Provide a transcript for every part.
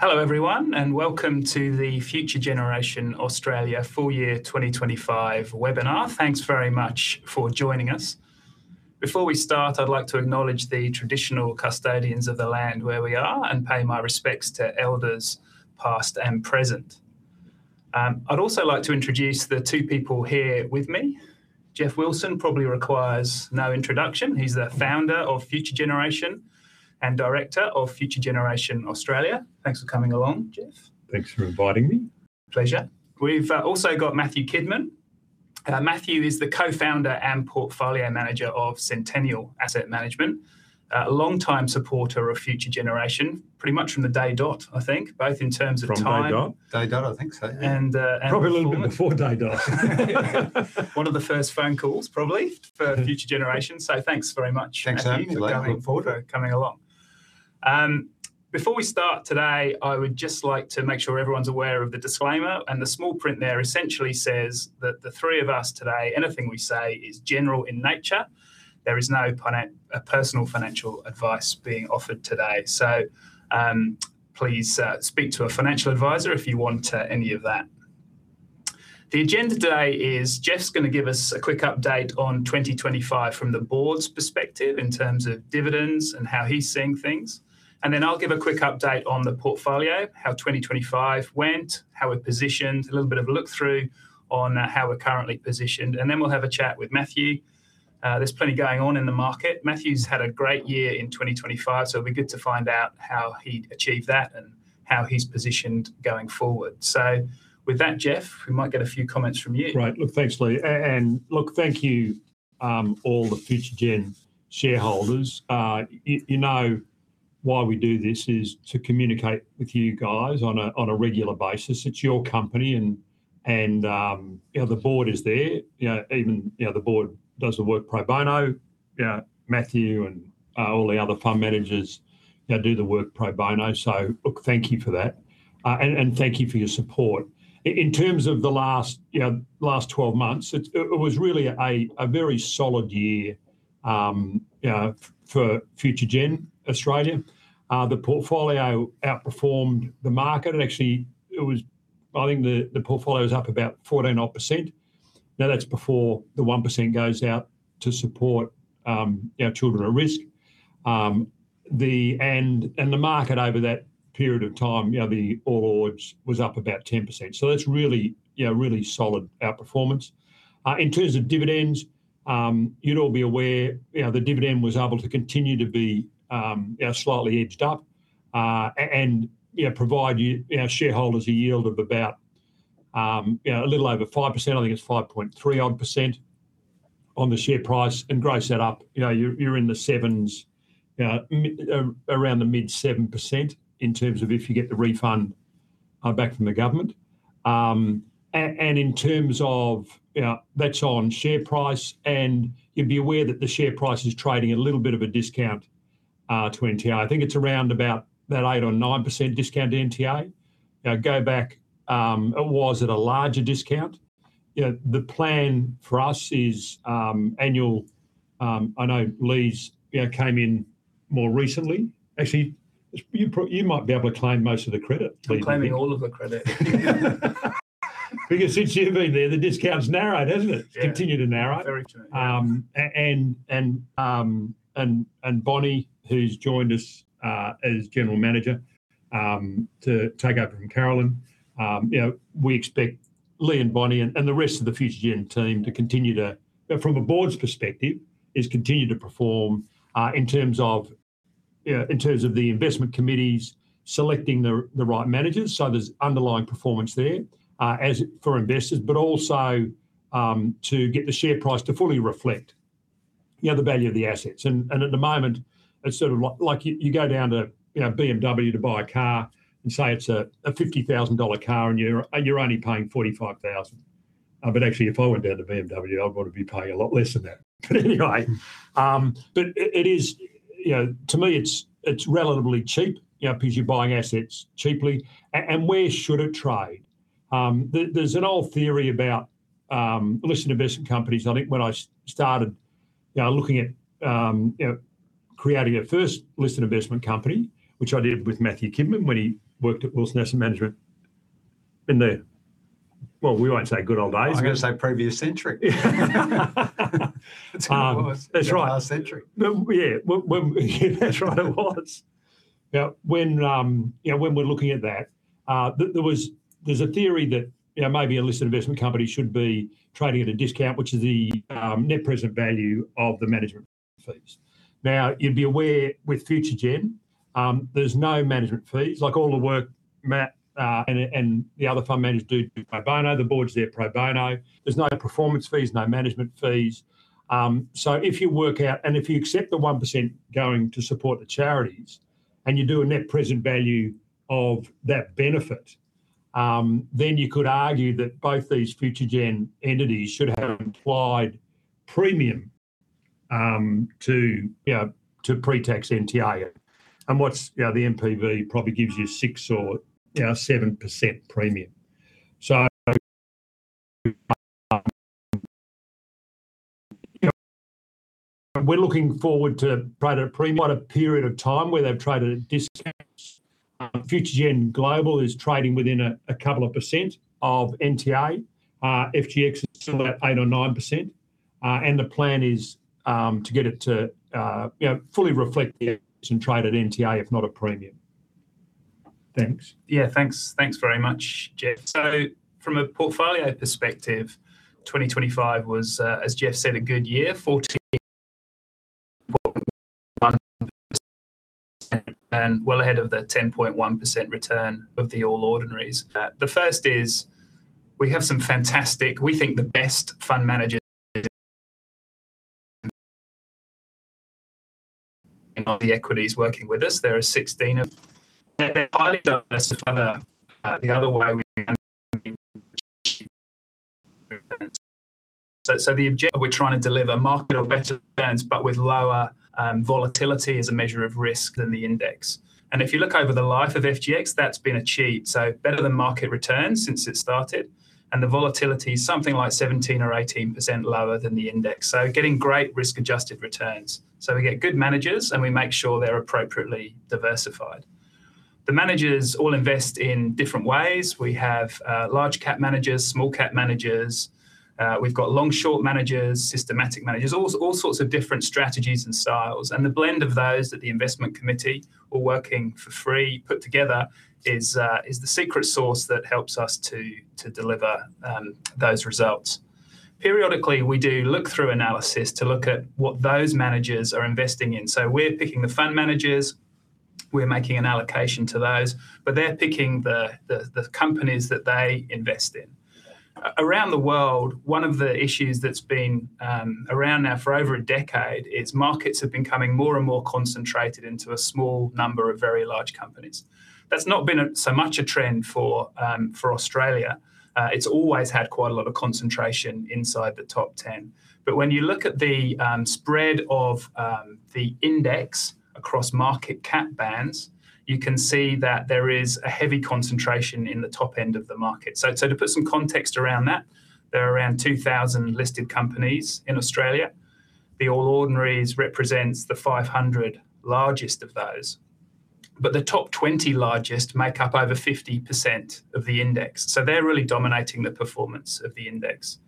Hello everyone, and welcome to the Future Generation Australia Full Year 2025 Webinar. Thanks very much for joining us. Before we start, I'd like to acknowledge the traditional custodians of the land where we are, and pay my respects to elders past and present. I'd also like to introduce the two people here with me. Geoff Wilson probably requires no introduction. He's the Founder of Future Generation and Director of Future Generation Australia. Thanks for coming along, Geoff. Thanks for inviting me. Pleasure. We've also got Matthew Kidman. Matthew is the Co-founder and Portfolio Manager of Centennial Asset Management, a longtime supporter of Future Generation, pretty much from the day dot, I think, both in terms of time- From day dot. Day dot. I think so, yeah. and performance. Probably a little bit before day dot. One of the first phone calls probably for Future Generation. Thanks very much, Matthew. Thanks, Matt. Delightful. For coming forward, for coming along. Before we start today, I would just like to make sure everyone's aware of the disclaimer, and the small print there essentially says that the three of us today, anything we say is general in nature. There is no personal financial advice being offered today. Please speak to a financial advisor if you want any of that. The agenda today is Geoff's gonna give us a quick update on 2025 from the board's perspective in terms of dividends and how he's seeing things, and then I'll give a quick update on the portfolio, how 2025 went, how we've positioned, a little bit of a look through on how we're currently positioned, and then we'll have a chat with Matthew. There's plenty going on in the market. Matthew's had a great year in 2025, so it'll be good to find out how he achieved that and how he's positioned going forward. With that, Geoff, we might get a few comments from you. Right. Look, thanks Lee. Look, thank you all the Future Generation shareholders. You know why we do this is to communicate with you guys on a regular basis. It's your company and, you know, the board is there. You know, even, you know, the board does the work pro bono. You know, Matthew and all the other fund managers, you know, do the work pro bono. Look, thank you for that. Thank you for your support. In terms of the last 12 months, it was really a very solid year for Future Generation Australia. The portfolio outperformed the market. Actually, I think the portfolio was up about 14%. Now, that's before the 1% goes out to support our children at risk. The market over that period of time, you know, the All Ordinaries was up about 10%, so that's really, you know, really solid outperformance. In terms of dividends, you'd all be aware, you know, the dividend was able to continue to be, you know, slightly edged up, and, you know, provide you know, shareholders a yield of about, you know, a little over 5%. I think it's 5.3% odd on the share price, and gross that up, you know, you're in the sevens, around the mid-7% in terms of if you get the refund back from the government. In terms of, you know, that's on share price, and you'd be aware that the share price is trading at a little bit of a discount to NTA. I think it's around about that 8%-9% discount to NTA. You know, go back, it was at a larger discount. You know, the plan for us is annual. I know Lee's, you know, came in more recently. Actually, you might be able to claim most of the credit. I'm claiming all of the credit. Because since you've been there, the discount's narrowed, hasn't it? Yeah. Continued to narrow. Very true. Bonnie, who's joined us as general manager to take over from Caroline, you know, we expect Lee and Bonnie and the rest of the Future Gen team to continue to perform from a board's perspective in terms of, you know, in terms of the investment committees selecting the right managers. There's underlying performance there as for investors, but also to get the share price to fully reflect, you know, the value of the assets. At the moment, it's sort of like you go down to, you know, BMW to buy a car, and say it's a 50,000 dollar car and you're only paying 45,000. Actually, if I went down to BMW, I'd probably be paying a lot less than that. It is, you know, to me, it's relatively cheap, you know, because you're buying assets cheaply, and where should it trade? There's an old theory about listed investment companies. I think when I started, you know, looking at, you know, creating our first listed investment company, which I did with Matthew Kidman when he worked at Wilson Asset Management in the, well, we won't say good old days. I'm gonna say previous century. That's right. Last century. Yeah. That's right, it was. Now, when you know, when we're looking at that, there's a theory that, you know, maybe a listed investment company should be trading at a discount, which is the net present value of the management fees. Now, you'd be aware with Future Gen, there's no management fees. Like all the work Matt and the other fund managers do pro bono, the board's there pro bono. There's no performance fees, no management fees. So if you work out, and if you accept the 1% going to support the charities, and you do a net present value of that benefit, then you could argue that both these Future Gen entities should have implied premium to, you know, to pre-tax NTA. What's, you know, the NPV probably gives you 6% or, you know, 7% premium. We're looking forward to trade at a premium. Quite a period of time where they've traded at discounts. Future Generation Global is trading within a couple of percent of NTA. FGX is still about 8% or 9%. The plan is to get it to fully reflect the actual trade at NTA, if not a premium. Thanks. Yeah. Thanks. Thanks very much, Geoff. From a portfolio perspective, 2025 was, as Geoff said, a good year. 14.1% and well ahead of the 10.1% return of the All Ordinaries. The first is we have some fantastic we think the best fund managers in equities working with us. There are 16 of them. They're highly diverse. The other way, the objective we're trying to deliver market or better returns, but with lower volatility as a measure of risk than the index. If you look over the life of FGX, that's been achieved, so better than market returns since it started, and the volatility is something like 17 or 18% lower than the index, so getting great risk-adjusted returns. We get good managers, and we make sure they're appropriately diversified. The managers all invest in different ways. We have large cap managers, small cap managers. We've got long-short managers, systematic managers, all sorts of different strategies and styles. The blend of those that the investment committee, all working for free, put together is the secret sauce that helps us to deliver those results. Periodically, we do look-through analysis to look at what those managers are investing in. We're picking the fund managers, we're making an allocation to those, but they're picking the companies that they invest in. Around the world, one of the issues that's been around now for over a decade is markets have been becoming more and more concentrated into a small number of very large companies. That's not been so much a trend for Australia. It's always had quite a lot of concentration inside the top ten. When you look at the spread of the index across market cap bands, you can see that there is a heavy concentration in the top end of the market. To put some context around that, there are around 2,000 listed companies in Australia. The All Ordinaries represents the 500 largest of those, but the top 20 largest make up over 50% of the index, so they're really dominating the performance of the index.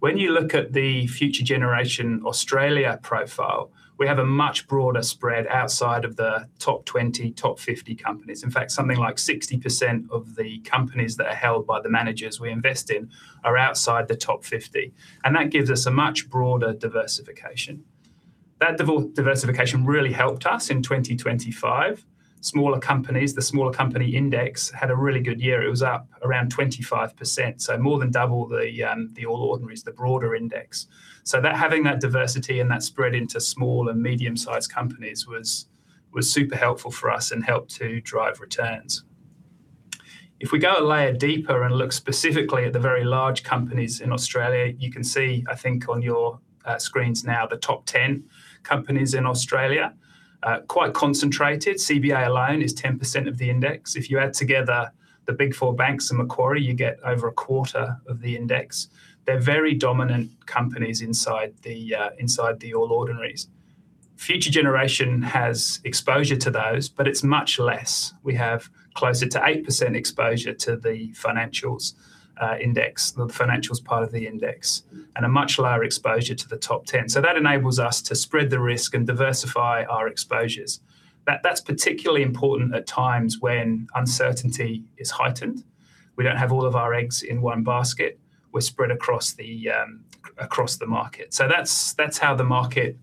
When you look at the Future Generation Australia profile, we have a much broader spread outside of the top 20, top 50 companies. In fact, something like 60% of the companies that are held by the managers we invest in are outside the top 50, and that gives us a much broader diversification. Diversification really helped us in 2025. Smaller companies, the smaller company index, had a really good year. It was up around 25%, so more than double the All Ordinaries, the broader index. That having that diversity and that spread into small and medium-sized companies was super helpful for us and helped to drive returns. If we go a layer deeper and look specifically at the very large companies in Australia, you can see, I think, on your screens now the top 10 companies in Australia. Quite concentrated. CBA alone is 10% of the index. If you add together the Big Four banks and Macquarie, you get over a quarter of the index. They're very dominant companies inside the All Ordinaries. Future Generation has exposure to those, but it's much less. We have closer to 8% exposure to the financials index, the financials part of the index, and a much lower exposure to the top 10. That enables us to spread the risk and diversify our exposures. That's particularly important at times when uncertainty is heightened. We don't have all of our eggs in one basket. We're spread across the market. That's how the market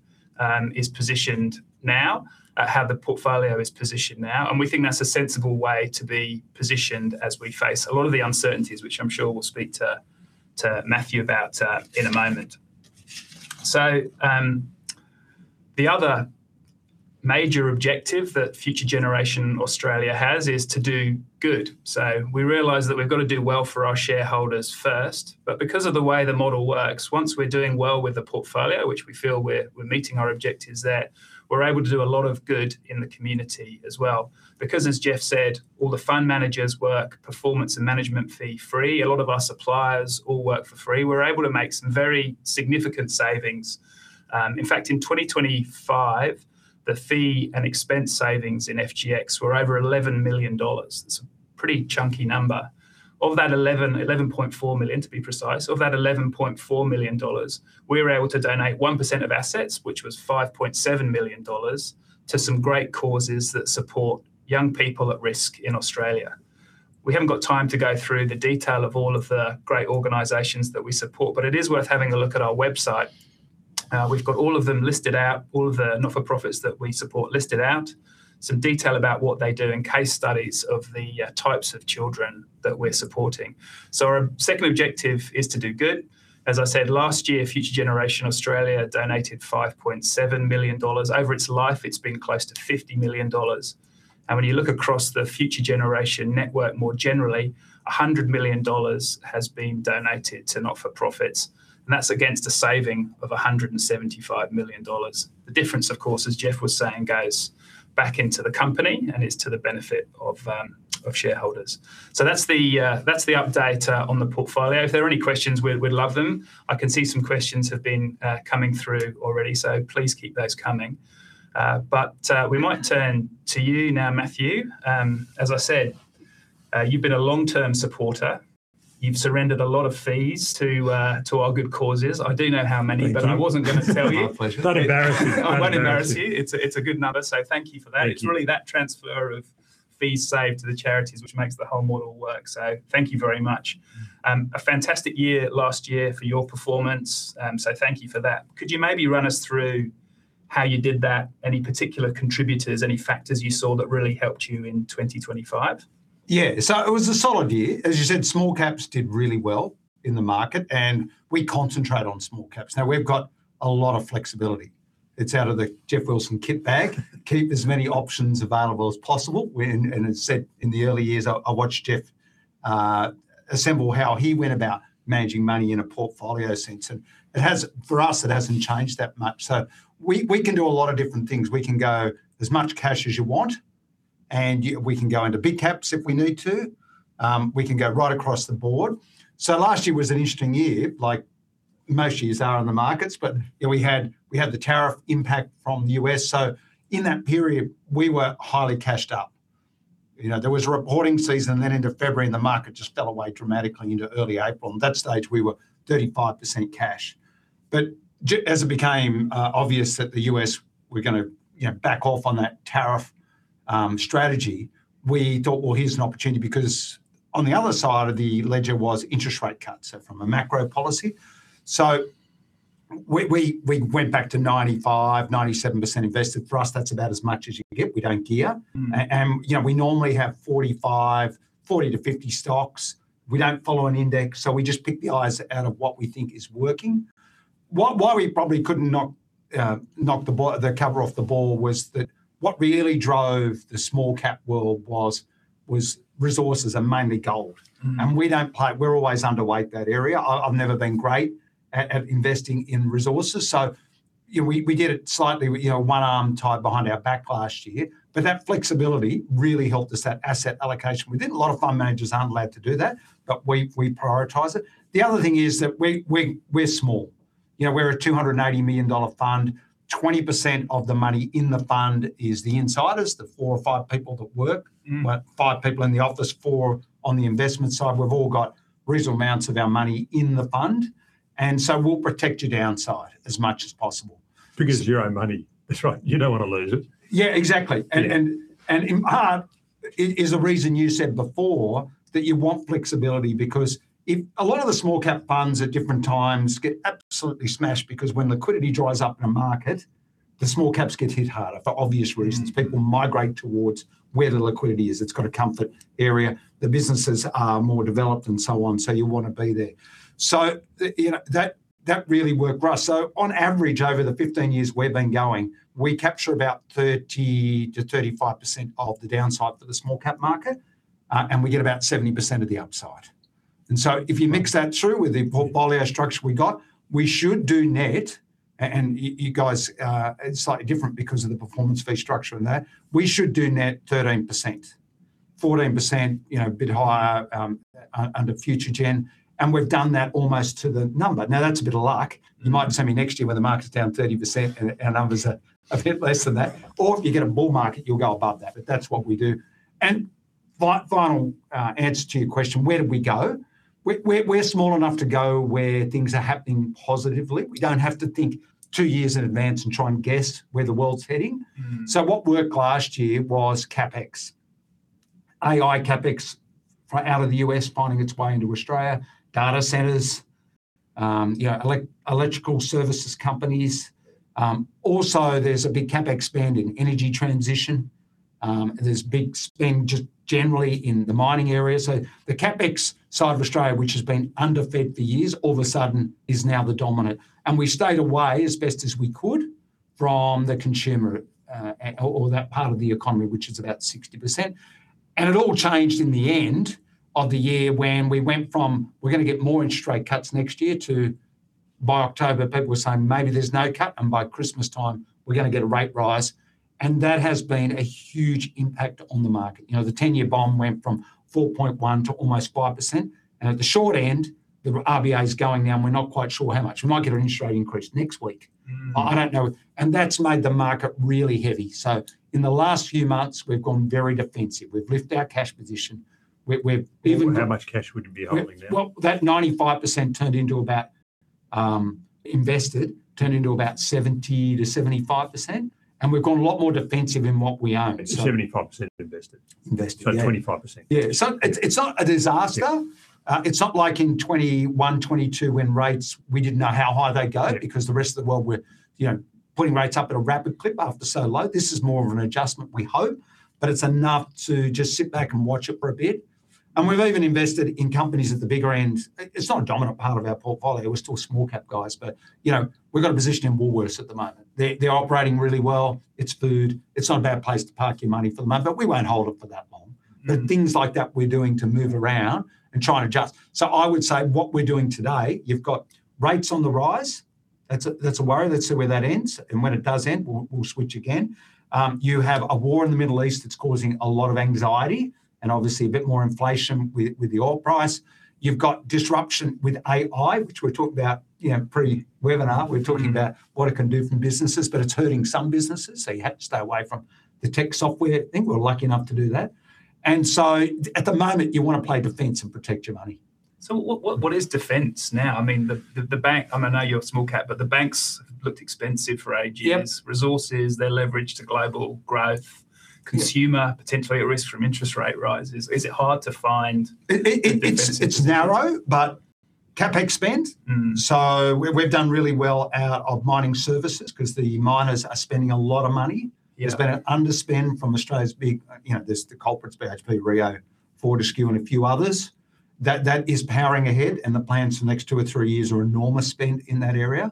is positioned now, how the portfolio is positioned now, and we think that's a sensible way to be positioned as we face a lot of the uncertainties, which I'm sure we'll speak to Matthew about in a moment. The other major objective that Future Generation Australia has is to do good. We realize that we've got to do well for our shareholders first, but because of the way the model works, once we're doing well with the portfolio, which we feel we're meeting our objectives there, we're able to do a lot of good in the community as well. Because as Geoff said, all the fund managers work performance and management fee-free, a lot of our suppliers all work for free, we're able to make some very significant savings. In fact, in 2025, the fee and expense savings in FGX were over 11 million dollars. It's a pretty chunky number. Of that 11.4 million to be precise, of that 11.4 million dollars, we were able to donate 1% of assets, which was 5.7 million dollars, to some great causes that support young people at risk in Australia. We haven't got time to go through the detail of all of the great organizations that we support, but it is worth having a look at our website. We've got all of them listed out, all of the not-for-profits that we support listed out, some detail about what they do, and case studies of the types of children that we're supporting. Our second objective is to do good. As I said, last year, Future Generation Australia donated 5.7 million dollars. Over its life, it's been close to 50 million dollars. When you look across the Future Generation network more generally, 100 million dollars has been donated to not-for-profits, and that's against a saving of 175 million dollars. The difference, of course, as Geoff was saying, goes back into the company, and it's to the benefit of shareholders. That's the update on the portfolio. If there are any questions, we'd love them. I can see some questions have been coming through already, so please keep those coming. We might turn to you now, Matthew. As I said, you've been a long-term supporter. You've surrendered a lot of fees to our good causes. I do know how many- Thank you. I wasn't gonna tell you. My pleasure. Not embarrassing. I won't embarrass you. It's a good number, so thank you for that. Thank you. It's really that transfer of fees saved to the charities which makes the whole model work, so thank you very much. A fantastic year last year for your performance, so thank you for that. Could you maybe run us through how you did that? Any particular contributors, any factors you saw that really helped you in 2025? Yeah. It was a solid year. As you said, small caps did really well in the market, and we concentrate on small caps. Now, we've got a lot of flexibility. It's out of the Geoff Wilson kit bag. Keep as many options available as possible. It's said, in the early years, I watched Geoff assemble how he went about managing money in a portfolio since, and it hasn't, for us, changed that much. We can do a lot of different things. We can go as much cash as you want, and we can go into big caps if we need to. We can go right across the board. Last year was an interesting year, like most years are in the markets, but you know, we had the tariff impact from the U.S., so in that period we were highly cashed up. You know, there was a reporting season then into February, and the market just fell away dramatically into early April, and at that stage we were 35% cash. As it became obvious that the U.S. were gonna you know, back off on that tariff strategy, we thought, "Well, here's an opportunity," because on the other side of the ledger was interest rate cuts, so from a macro policy. We went back to 95%-97% invested. For us, that's about as much as you can get. We don't gear. You know, we normally have 45, 40-50 stocks. We don't follow an index, so we just pick the odds out of what we think is working. Why we probably couldn't knock the cover off the ball was that what really drove the small cap world was resources and mainly gold. We don't play. We're always underweight that area. I've never been great at investing in resources, so you know, we did it slightly with you know, one arm tied behind our back last year. That flexibility really helped us, that asset allocation. A lot of fund managers aren't allowed to do that, but we prioritize it. The other thing is that we're small. You know, we're a 280 million dollar fund. 20% of the money in the fund is the insiders, the four or five people that work. We're five people in the office, four on the investment side. We've all got reasonable amounts of our money in the fund, and so we'll protect your downside as much as possible. Because it's your own money. That's right, you don't wanna lose it. Yeah, exactly. Yeah. In part, it is the reason you said before that you want flexibility, because if a lot of the small-cap funds at different times get absolutely smashed, because when liquidity dries up in a market, the small caps get hit harder for obvious reasons. People migrate towards where the liquidity is. It's got a comfort area. The businesses are more developed, and so on, so you wanna be there. You know, that really worked for us. On average, over the 15 years we've been going, we capture about 30%-35% of the downside for the small cap market, and we get about 70% of the upside. If you mix that through with the portfolio structure we got, we should do net, and you guys, it's slightly different because of the performance fee structure and that. We should do net 13%-14%, you know, a bit higher, under Future Generation, and we've done that almost to the number. Now, that's a bit of luck. You might see me next year where the market's down 30% and our numbers are a bit less than that. If you get a bull market, you'll go above that. That's what we do. Final answer to your question, where do we go, we're small enough to go where things are happening positively. We don't have to think two years in advance and try and guess where the world's heading. What worked last year was CapEx, AI CapEx pouring out of the U.S. finding its way into Australia, data centers, you know, electrical services companies. Also there's a big CapEx spend in energy transition. There's big spend just generally in the mining area. The CapEx side of Australia, which has been underfed for years, all of a sudden is now the dominant. We stayed away as best as we could from the consumer, or that part of the economy, which is about 60%. It all changed in the end of the year when we went from, "We're gonna get more interest rate cuts next year," to by October people were saying, "Maybe there's no cut," and by Christmastime, "We're gonna get a rate rise." That has been a huge impact on the market. You know, the 10-year bond went from 4.1% to almost 5%, and at the short end, the RBA's going now and we're not quite sure how much. We might get an interest rate increase next week. I don't know. That's made the market really heavy. In the last few months, we've gone very defensive. We've lifted our cash position. We've even- Well, how much cash would you be holding now? Well, that 95% turned into about 70%-75%, and we've gone a lot more defensive in what we own. 75% invested. Invested, yeah. 25%. Yeah. It's not a disaster. Yeah. It's not like in 2021, 2022 when rates, we didn't know how high they'd go. Yeah Because the rest of the world were, you know, putting rates up at a rapid clip after so low. This is more of an adjustment, we hope, but it's enough to just sit back and watch it for a bit. We've even invested in companies at the bigger end. It's not a dominant part of our portfolio, we're still small cap guys but, you know, we've got a position in Woolworths at the moment. They're operating really well. It's food. It's not a bad place to park your money for the moment, but we won't hold it for that long. Things like that we're doing to move around and try and adjust. I would say what we're doing today, you've got rates on the rise. That's a worry. Let's see where that ends, and when it does end, we'll switch again. You have a war in the Middle East that's causing a lot of anxiety, and obviously a bit more inflation with the oil price. You've got disruption with AI, which we talked about, you know, pre-webinar. We're talking about what it can do for businesses, but it's hurting some businesses, so you have to stay away from the tech software thing. We're lucky enough to do that. At the moment, you wanna play defense and protect your money. What is defense now? I mean, the bank, I mean, I know you're a small cap, but the banks looked expensive for ages. Yep. Resources, they're leveraged to global growth. Yeah. Consumer, potentially at risk from interest rate rises. Is it hard to find? It's narrow, but CapEx spend- We've done really well out of mining services, 'cause the miners are spending a lot of money. Yeah. There's been an underspend from Australia's big, you know, there's the culprits, BHP, Rio Tinto, Fortescue, and a few others. That is powering ahead, and the plans for the next two or three years are enormous spend in that area.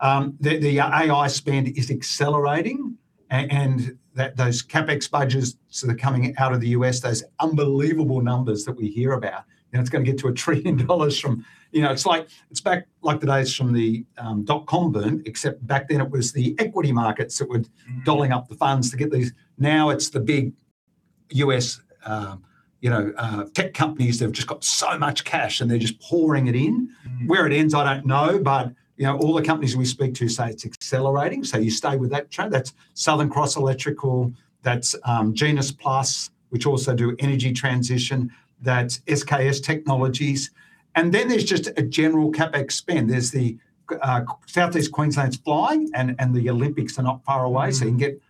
The AI spend is accelerating and that, those CapEx budgets that are coming out of the U.S., those unbelievable numbers that we hear about, you know, it's gonna get to $1 trillion from, you know, it's like, it's back like the days from the dot-com boom, except back then it was the equity markets that were- Doling up the funds to get these. Now it's the big U.S., you know, tech companies that have just got so much cash and they're just pouring it in. Where it ends, I don't know. You know, all the companies we speak to say it's accelerating, so you stay with that trend. That's Southern Cross Electrical Engineering. That's GenusPlus, which also do energy transition. That's SKS Technologies Group. Then there's just a general CapEx spend. There's Southeast Queensland's flying and the Olympics are not far away. You can get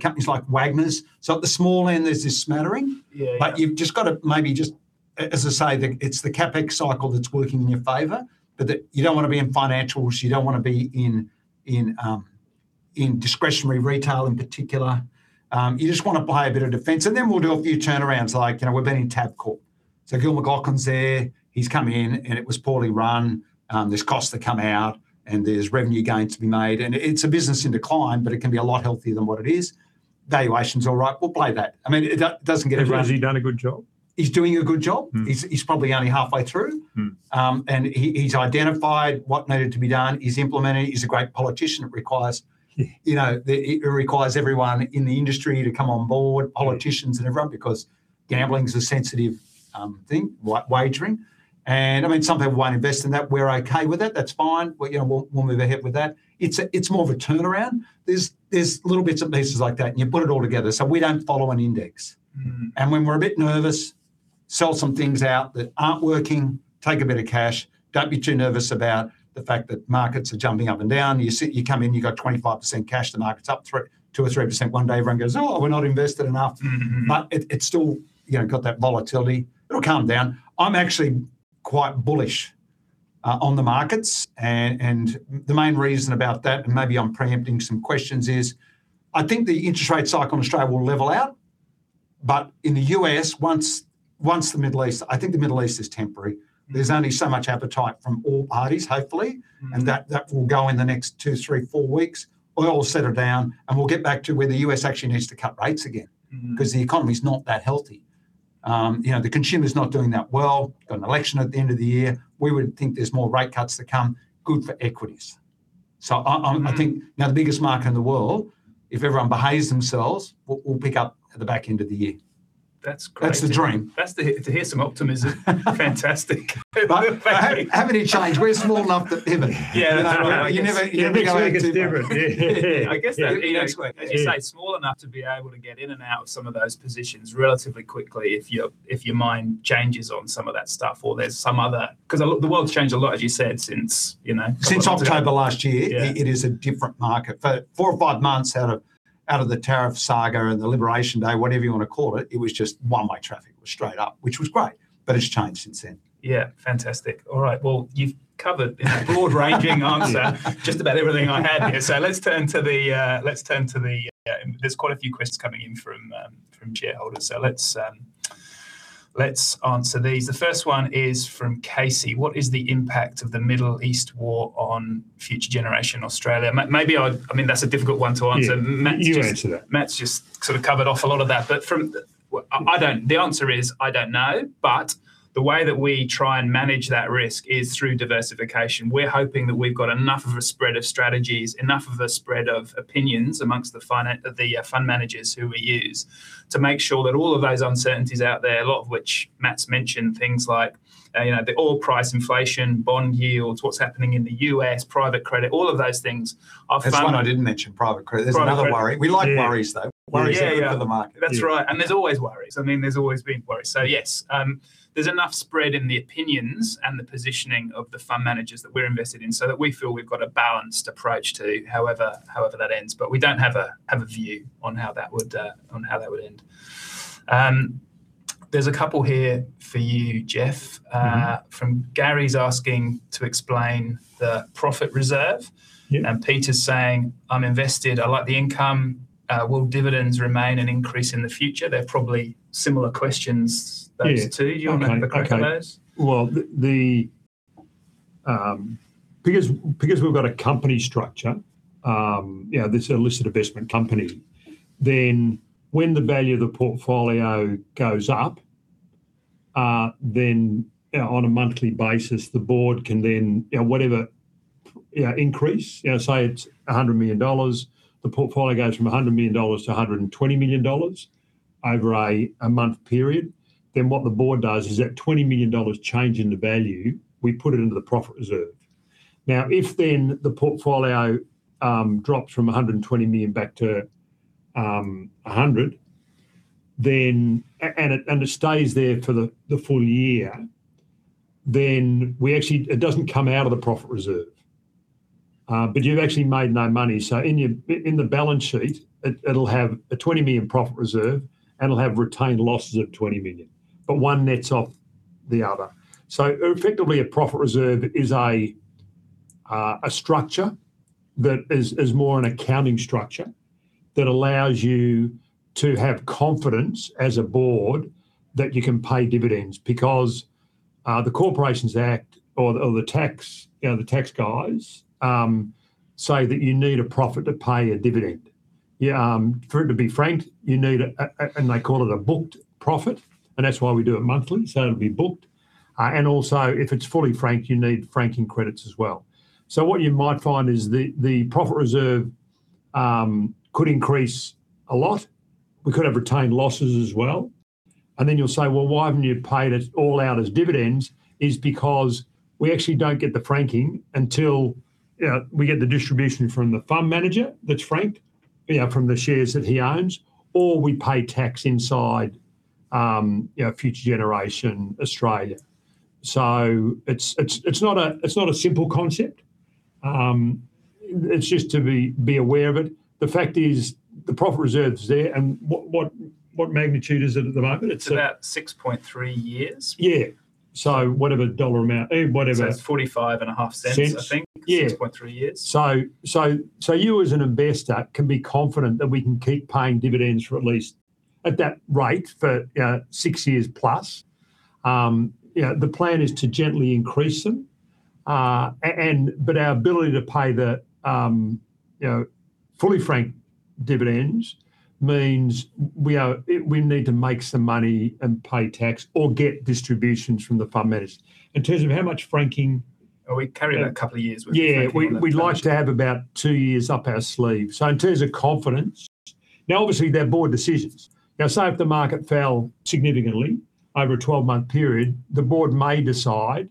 companies like Wagners. At the small end, there's this smattering. Yeah, yeah. You've just gotta maybe just as I say, it's the CapEx cycle that's working in your favor, but that you don't wanna be in financials, you don't wanna be in, in discretionary retail in particular. You just wanna play a bit of defense, and then we'll do a few turnarounds like, you know, we've been in Tabcorp. Gillon McLachlan's there, he's come in and it was poorly run. There's costs that come out, and there's revenue gains to be made, and it's a business in decline, but it can be a lot healthier than what it is. Valuation's all right. We'll play that. I mean, it doesn't get- Has he done a good job? He's doing a good job. He's probably only halfway through. He's identified what needed to be done. He's implementing it. He's a great politician. Yeah You know, it requires everyone in the industry to come on board, politicians and everyone, because gambling's a sensitive thing, like wagering, and I mean, some people won't invest in that. We're okay with it. That's fine. You know, we'll move ahead with that. It's more of a turnaround. There's little bits and pieces like that, and you put it all together. We don't follow an index. When we're a bit nervous, sell some things out that aren't working, take a bit of cash, don't be too nervous about the fact that markets are jumping up and down. You see, you come in, you've got 25% cash, the market's up 2 or 3% one day, everyone goes, "Oh, we're not invested enough. It's still, you know, got that volatility. It'll calm down. I'm actually quite bullish on the markets and the main reason about that, and maybe I'm preempting some questions, is I think the interest rate cycle in Australia will level out. In the U.S., once the Middle East I think the Middle East is temporary. There's only so much appetite from all parties, hopefully. That will go in the next two, three, four weeks. Oil will settle down, and we'll get back to where the U.S. actually needs to cut rates again. 'Cause the economy's not that healthy. You know, the consumer's not doing that well. Got an election at the end of the year. We would think there's more rate cuts to come. Good for equities. I think now the biggest market in the world, if everyone behaves themselves, we'll pick up at the back end of the year. That's great. That's the dream. To hear some optimism, fantastic. Have a little change. We're small enough to pivot. Yeah. You know, you never go out too far. New Zealand's different. Yeah. I guess, you know, as you say, small enough to be able to get in and out of some of those positions relatively quickly if your mind changes on some of that stuff, or there's some other. 'Cause a lot, the world's changed a lot, as you said, since, you know. Since October last year. Yeah It is a different market. For four or five months out of the tariff saga or the Liberation Day, whatever you wanna call it was just one-way traffic. It was straight up, which was great, but it's changed since then. Yeah. Fantastic. All right. Well, in a broad-ranging answer. Yeah Just about everything I had here. Let's turn to the. There's quite a few questions coming in from shareholders, so let's answer these. The first one is from Casey: "What is the impact of the Middle East war on Future Generation Australia?" I mean, that's a difficult one to answer. Yeah. You answer that. Matt's just sort of covered off a lot of that. The answer is I don't know, but the way that we try and manage that risk is through diversification. We're hoping that we've got enough of a spread of strategies, enough of a spread of opinions among the fund managers who we use to make sure that all of those uncertainties out there, a lot of which Matt's mentioned, things like, you know, the oil price, inflation, bond yields, what's happening in the U.S., private credit, all of those things, our fund. That's one I didn't mention, private credit. Private credit. There's another worry. Yeah. We like worries, though. Yeah, yeah. Worries are good for the market. That's right. Yeah. There's always worries. I mean, there's always been worries. Yeah. Yes, there's enough spread in the opinions and the positioning of the fund managers that we're invested in so that we feel we've got a balanced approach to however that ends. We don't have a view on how that would end. There's a couple here for you, Geoff. From Gary's asking to explain the profit reserve. Yeah. Peter's saying, "I'm invested. I like the income. Will dividends remain and increase in the future?" They're probably similar questions, those two. Yeah. Okay. Do you wanna have a crack at those? Well, because we've got a company structure, you know, this listed investment company, then when the value of the portfolio goes up, then on a monthly basis, the board can then, you know, whatever, you know, increase, you know, say it's 100 million dollars, the portfolio goes from 100 million dollars to 120 million dollars over a month period, then what the board does is that 20 million dollars change in the value, we put it into the profit reserve. Now, if then the portfolio drops from 120 million back to 100 And it stays there for the full year, and it doesn't come out of the profit reserve. But you've actually made no money, so in your balance sheet, it'll have a 20 million profit reserve, and it'll have retained losses of 20 million, but one nets off the other. Effectively, a profit reserve is a structure that is more an accounting structure that allows you to have confidence as a board that you can pay dividends because the Corporations Act or the tax, you know, the tax guys say that you need a profit to pay a dividend. Yeah. For it to be franked, you need a booked profit, and they call it a booked profit, and that's why we do it monthly, so it'll be booked. If it's fully franked, you need franking credits as well. What you might find is the profit reserve could increase a lot. We could have retained losses as well, and then you'll say, "Well, why haven't you paid it all out as dividends?" It's because we actually don't get the franking until, you know, we get the distribution from the fund manager that's franked, you know, from the shares that he owns, or we pay tax inside, you know, Future Generation Australia. It's not a simple concept. It's just to be aware of it. The fact is, the profit reserve's there, and what magnitude is it at the moment? It's It's about 6.3 years. Yeah. Whatever dollar amount, whatever It's 45.05 Cents I think. Yeah. 6.3 years. You as an investor can be confident that we can keep paying dividends for at least at that rate for, you know, six years plus. You know, the plan is to gently increase them, but our ability to pay the, you know, fully franked dividends means we need to make some money and pay tax or get distributions from the fund managers. In terms of how much franking. Oh, we carry that a couple of years' worth of franking on that. Yeah, we'd like to have about two years up our sleeve. In terms of confidence. Now, obviously, they're board decisions. Now, say if the market fell significantly over a 12-month period, the board may decide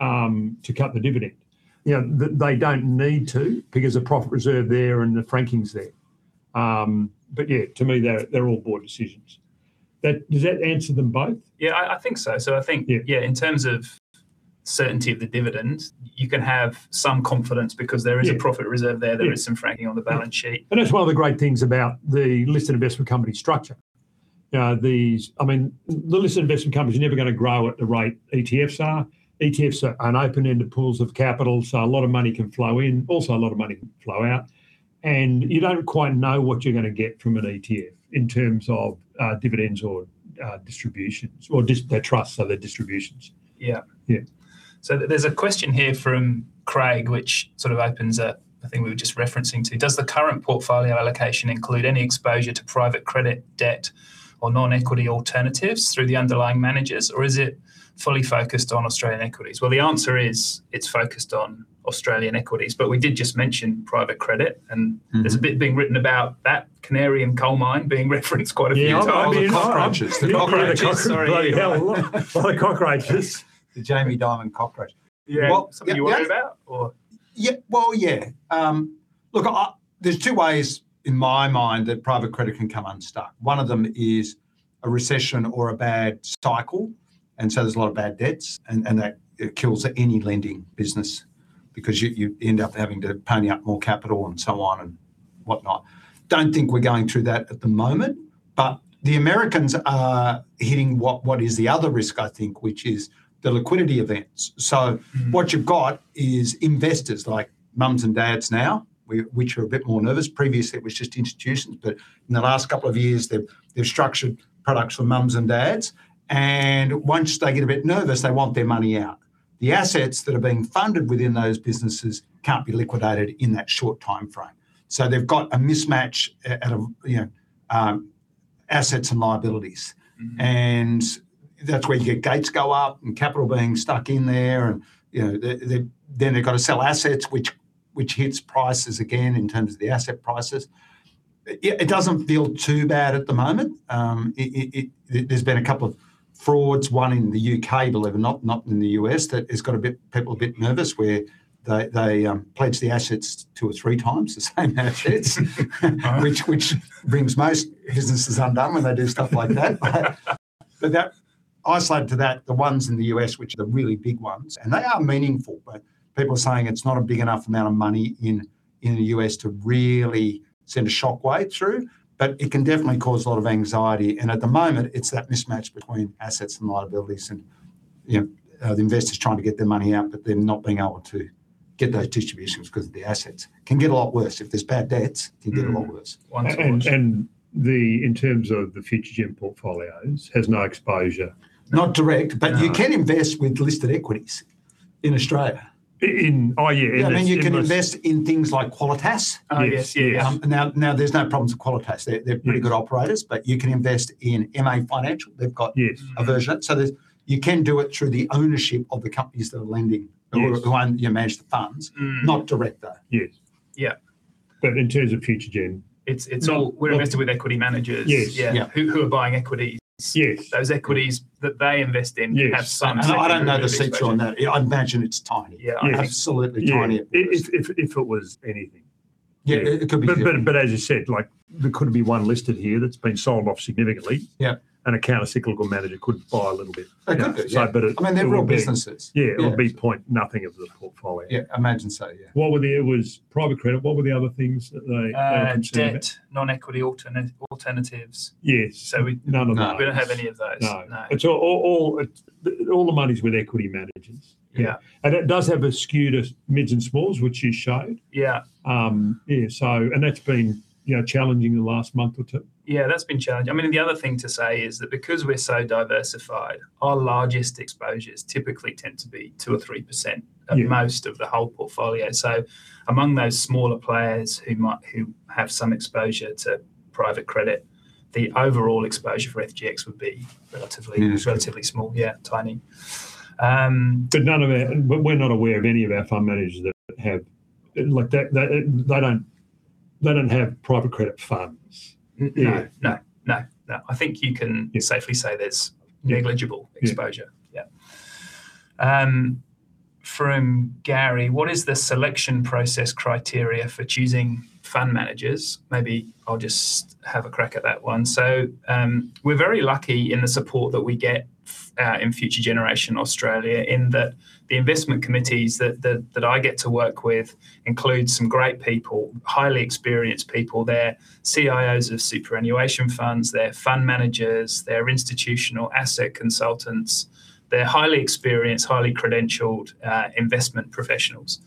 to cut the dividend. You know, they don't need to because the profit reserve there and the franking's there. Yeah, to me, they're all board decisions. Does that answer them both? Yeah, I think so. I think Yeah Yeah, in terms of certainty of the dividend, you can have some confidence because there is. Yeah a profit reserve there. Yeah. There is some franking on the balance sheet. That's one of the great things about the listed investment company structure. These, I mean, the listed investment companies are never gonna grow at the rate ETFs are. ETFs are an open-ended pool of capital, so a lot of money can flow in. Also, a lot of money can flow out, and you don't quite know what you're gonna get from an ETF in terms of, dividends or, distributions, or just, they're trusts, so they're distributions. Yeah. Yeah. There's a question here from Craig which sort of opens up a thing we were just referencing to. "Does the current portfolio allocation include any exposure to private credit, debt, or non-equity alternatives through the underlying managers? Or is it fully focused on Australian equities?" Well, the answer is it's focused on Australian equities, but we did just mention private credit, and. There's a bit being written about that canary in coal mine being referenced quite a few times recently. Yeah. The cockroaches. The cockroaches. Sorry. Bloody hell, look. The cockroaches. The Jamie Dimon cockroach. Well, yep. Something you're worried about? Yeah. Well, yeah. Look, there's two ways in my mind that private credit can come unstuck. One of them is a recession or a bad cycle, and so there's a lot of bad debts and that it kills any lending business because you end up having to pony up more capital and so on and whatnot. Don't think we're going through that at the moment. The Americans are hitting what is the other risk, I think, which is the liquidity events. What you've got is investors like mums and dads now which are a bit more nervous. Previously, it was just institutions, but in the last couple of years they've structured products for mums and dads, and once they get a bit nervous, they want their money out. The assets that are being funded within those businesses can't be liquidated in that short timeframe. They've got a mismatch out of, you know, assets and liabilities. That's where you get rates go up and capital being stuck in there and, you know, then they've gotta sell assets which hits prices again in terms of the asset prices. Yeah, it doesn't feel too bad at the moment. There's been a couple of frauds, one in the U.K., not in the U.S., that has got people a bit nervous where they pledge the assets two or three times, the same assets. Right. Which brings most businesses undone when they do stuff like that. Isolated to that, the ones in the U.S. which are the really big ones, and they are meaningful, but people are saying it's not a big enough amount of money in the U.S. to really send a shockwave through, but it can definitely cause a lot of anxiety, and at the moment it's that mismatch between assets and liabilities and, you know, the investors trying to get their money out, but then not being able to get those distributions 'cause of the assets. It can get a lot worse. If there's bad debts. Can get a lot worse. Once launched. In terms of the Future Gen portfolios has no exposure. Not direct- No You can invest with listed equities in Australia. Oh, yeah. In those- Yeah. I mean, you can invest in things like Qualitas. Yes. Yes. Oh, yes. now there's no problems with Qualitas. Yeah They're pretty good operators, but you can invest in MA Financial. They've got- Yes A version. You can do it through the ownership of the companies that are lending. Yes Who own, you know, manage the funds. Not direct, though. Yes. Yeah. In terms of Future Generation. It's all- Not, not- We're invested with equity managers. Yes. Yeah. Yeah. Who are buying equities? Yes. Those equities that they invest in. Yes... have some- I don't know the exposure on that. I imagine it's tiny. Yeah. Yes. Absolutely tiny if it was. Yeah. If it was anything. Yeah, it could be. As you said, like, there could be one listed here that's been sold off significantly. Yeah. A countercyclical manager could buy a little bit. They could do, yeah. So, but it- I mean, they're real businesses. Yeah. Yeah. It would be 0.0 of the portfolio. Yeah. Imagine so, yeah. There was private credit. What were the other things that they considered? debt, non-equity alternatives. Yes. So we- None of those. We don't have any of those. No. No. It's all the money's with equity managers. Yeah. It does have a skew to mids and smalls, which you showed. Yeah. Yeah, that's been, you know, challenging the last month or two. Yeah, that's been challenging. I mean, the other thing to say is that because we're so diversified, our largest exposures typically tend to be 2%-3%. Yeah At most of the whole portfolio. Among those smaller players who have some exposure to private credit, the overall exposure for FGX would be relatively- Miniscule relatively small. Yeah, tiny. We're not aware of any of our fund managers that have like that they don't have private credit funds. No. I think you can. Yeah Safely say there's. Yeah Negligible exposure. Yeah. Yeah. From Gary, "What is the selection process criteria for choosing fund managers?" Maybe I'll just have a crack at that one. We're very lucky in the support that we get in Future Generation Australia, in that the investment committees that I get to work with include some great people, highly experienced people. They're CIOs of superannuation funds, they're fund managers, they're institutional asset consultants. They're highly experienced, highly credentialed, investment professionals.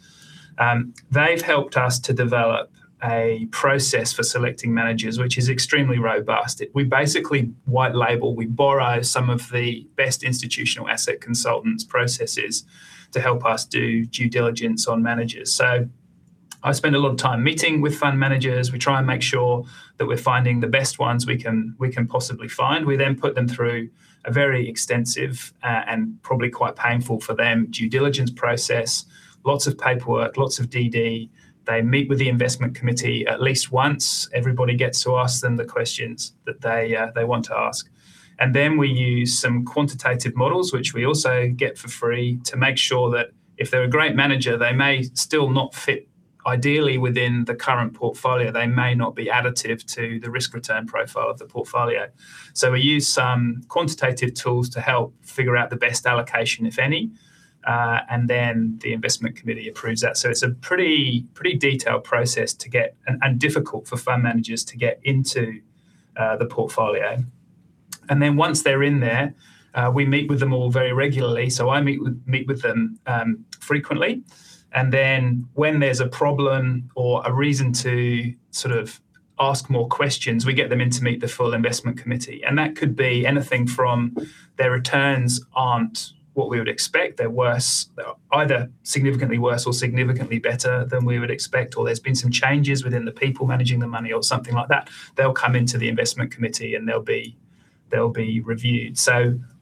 They've helped us to develop a process for selecting managers which is extremely robust. We basically white label, we borrow some of the best institutional asset consultants' processes to help us do due diligence on managers. I spend a lot of time meeting with fund managers, we try and make sure that we're finding the best ones we can possibly find. We then put them through a very extensive, and probably quite painful for them, due diligence process, lots of paperwork, lots of D-Day. They meet with the investment committee at least once. Everybody gets to ask them the questions that they want to ask. We use some quantitative models, which we also get for free, to make sure that if they're a great manager, they may still not fit ideally within the current portfolio, they may not be additive to the risk-return profile of the portfolio. We use some quantitative tools to help figure out the best allocation, if any, and then the investment committee approves that. It's a pretty detailed process to get, and difficult for fund managers to get into, the portfolio. Once they're in there, we meet with them all very regularly. I meet with them frequently, and then when there's a problem or a reason to sort of ask more questions, we get them in to meet the full investment committee. That could be anything from their returns aren't what we would expect, they're worse, either significantly worse or significantly better than we would expect, or there's been some changes within the people managing the money or something like that. They'll come into the investment committee, and they'll be reviewed.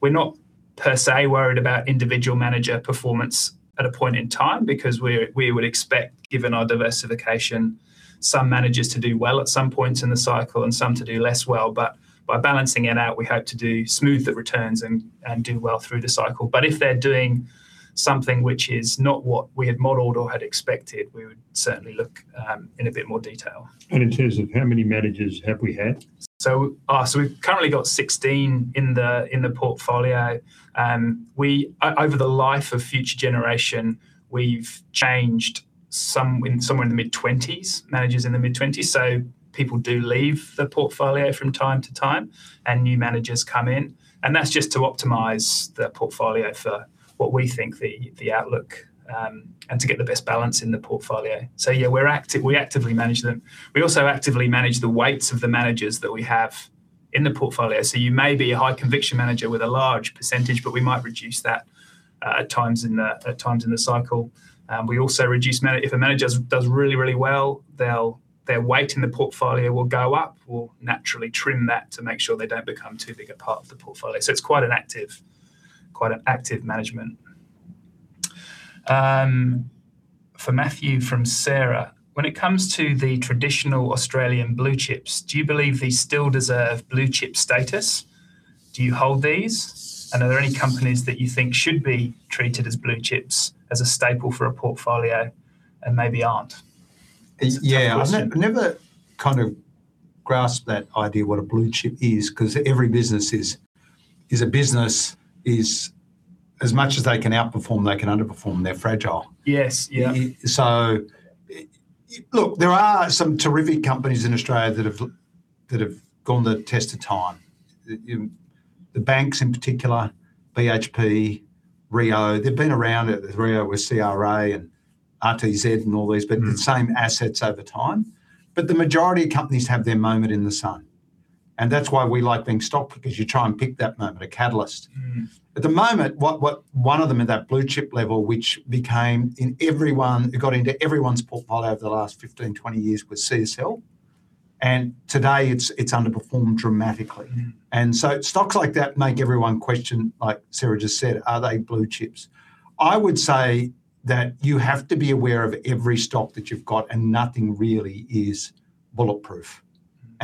We're not per se worried about individual manager performance at a point in time, because we would expect, given our diversification, some managers to do well at some points in the cycle and some to do less well. By balancing it out, we hope to smooth the returns and do well through the cycle. If they're doing something which is not what we had modeled or had expected, we would certainly look in a bit more detail. In terms of how many managers have we had? We've currently got 16 in the portfolio. Over the life of Future Generation, we've changed some managers in the mid-20s. People do leave the portfolio from time to time, and new managers come in, and that's just to optimize the portfolio for what we think the outlook and to get the best balance in the portfolio. We actively manage them. We also actively manage the weights of the managers that we have in the portfolio. You may be a high conviction manager with a large percentage, but we might reduce that at times in the cycle. We also reduce if a manager does really well, their weight in the portfolio will go up. We'll naturally trim that to make sure they don't become too big a part of the portfolio. It's quite an active management. For Matthew from Sarah, "When it comes to the traditional Australian blue chips, do you believe they still deserve blue chip status? Do you hold these? And are there any companies that you think should be treated as blue chips as a staple for a portfolio and maybe aren't? Yeah. It's a tough question. I never kind of grasped that idea what a blue chip is, 'cause every business is a business, as much as they can outperform, they can underperform. They're fragile. Yes. Yeah. Look, there are some terrific companies in Australia that have gone the test of time. The banks in particular, BHP, Rio Tinto, they've been around. Rio Tinto was CRA and RTZ and all these- The same assets over time. The majority of companies have their moment in the sun, and that's why we like being stock pickers, because you try and pick that moment, a catalyst. At the moment, what one of them at that blue-chip level, it got into everyone's portfolio over the last 15-20 years, was CSL, and today it's underperformed dramatically. Stocks like that make everyone question, like Sarah just said, are they blue chips? I would say that you have to be aware of every stock that you've got, and nothing really is bulletproof.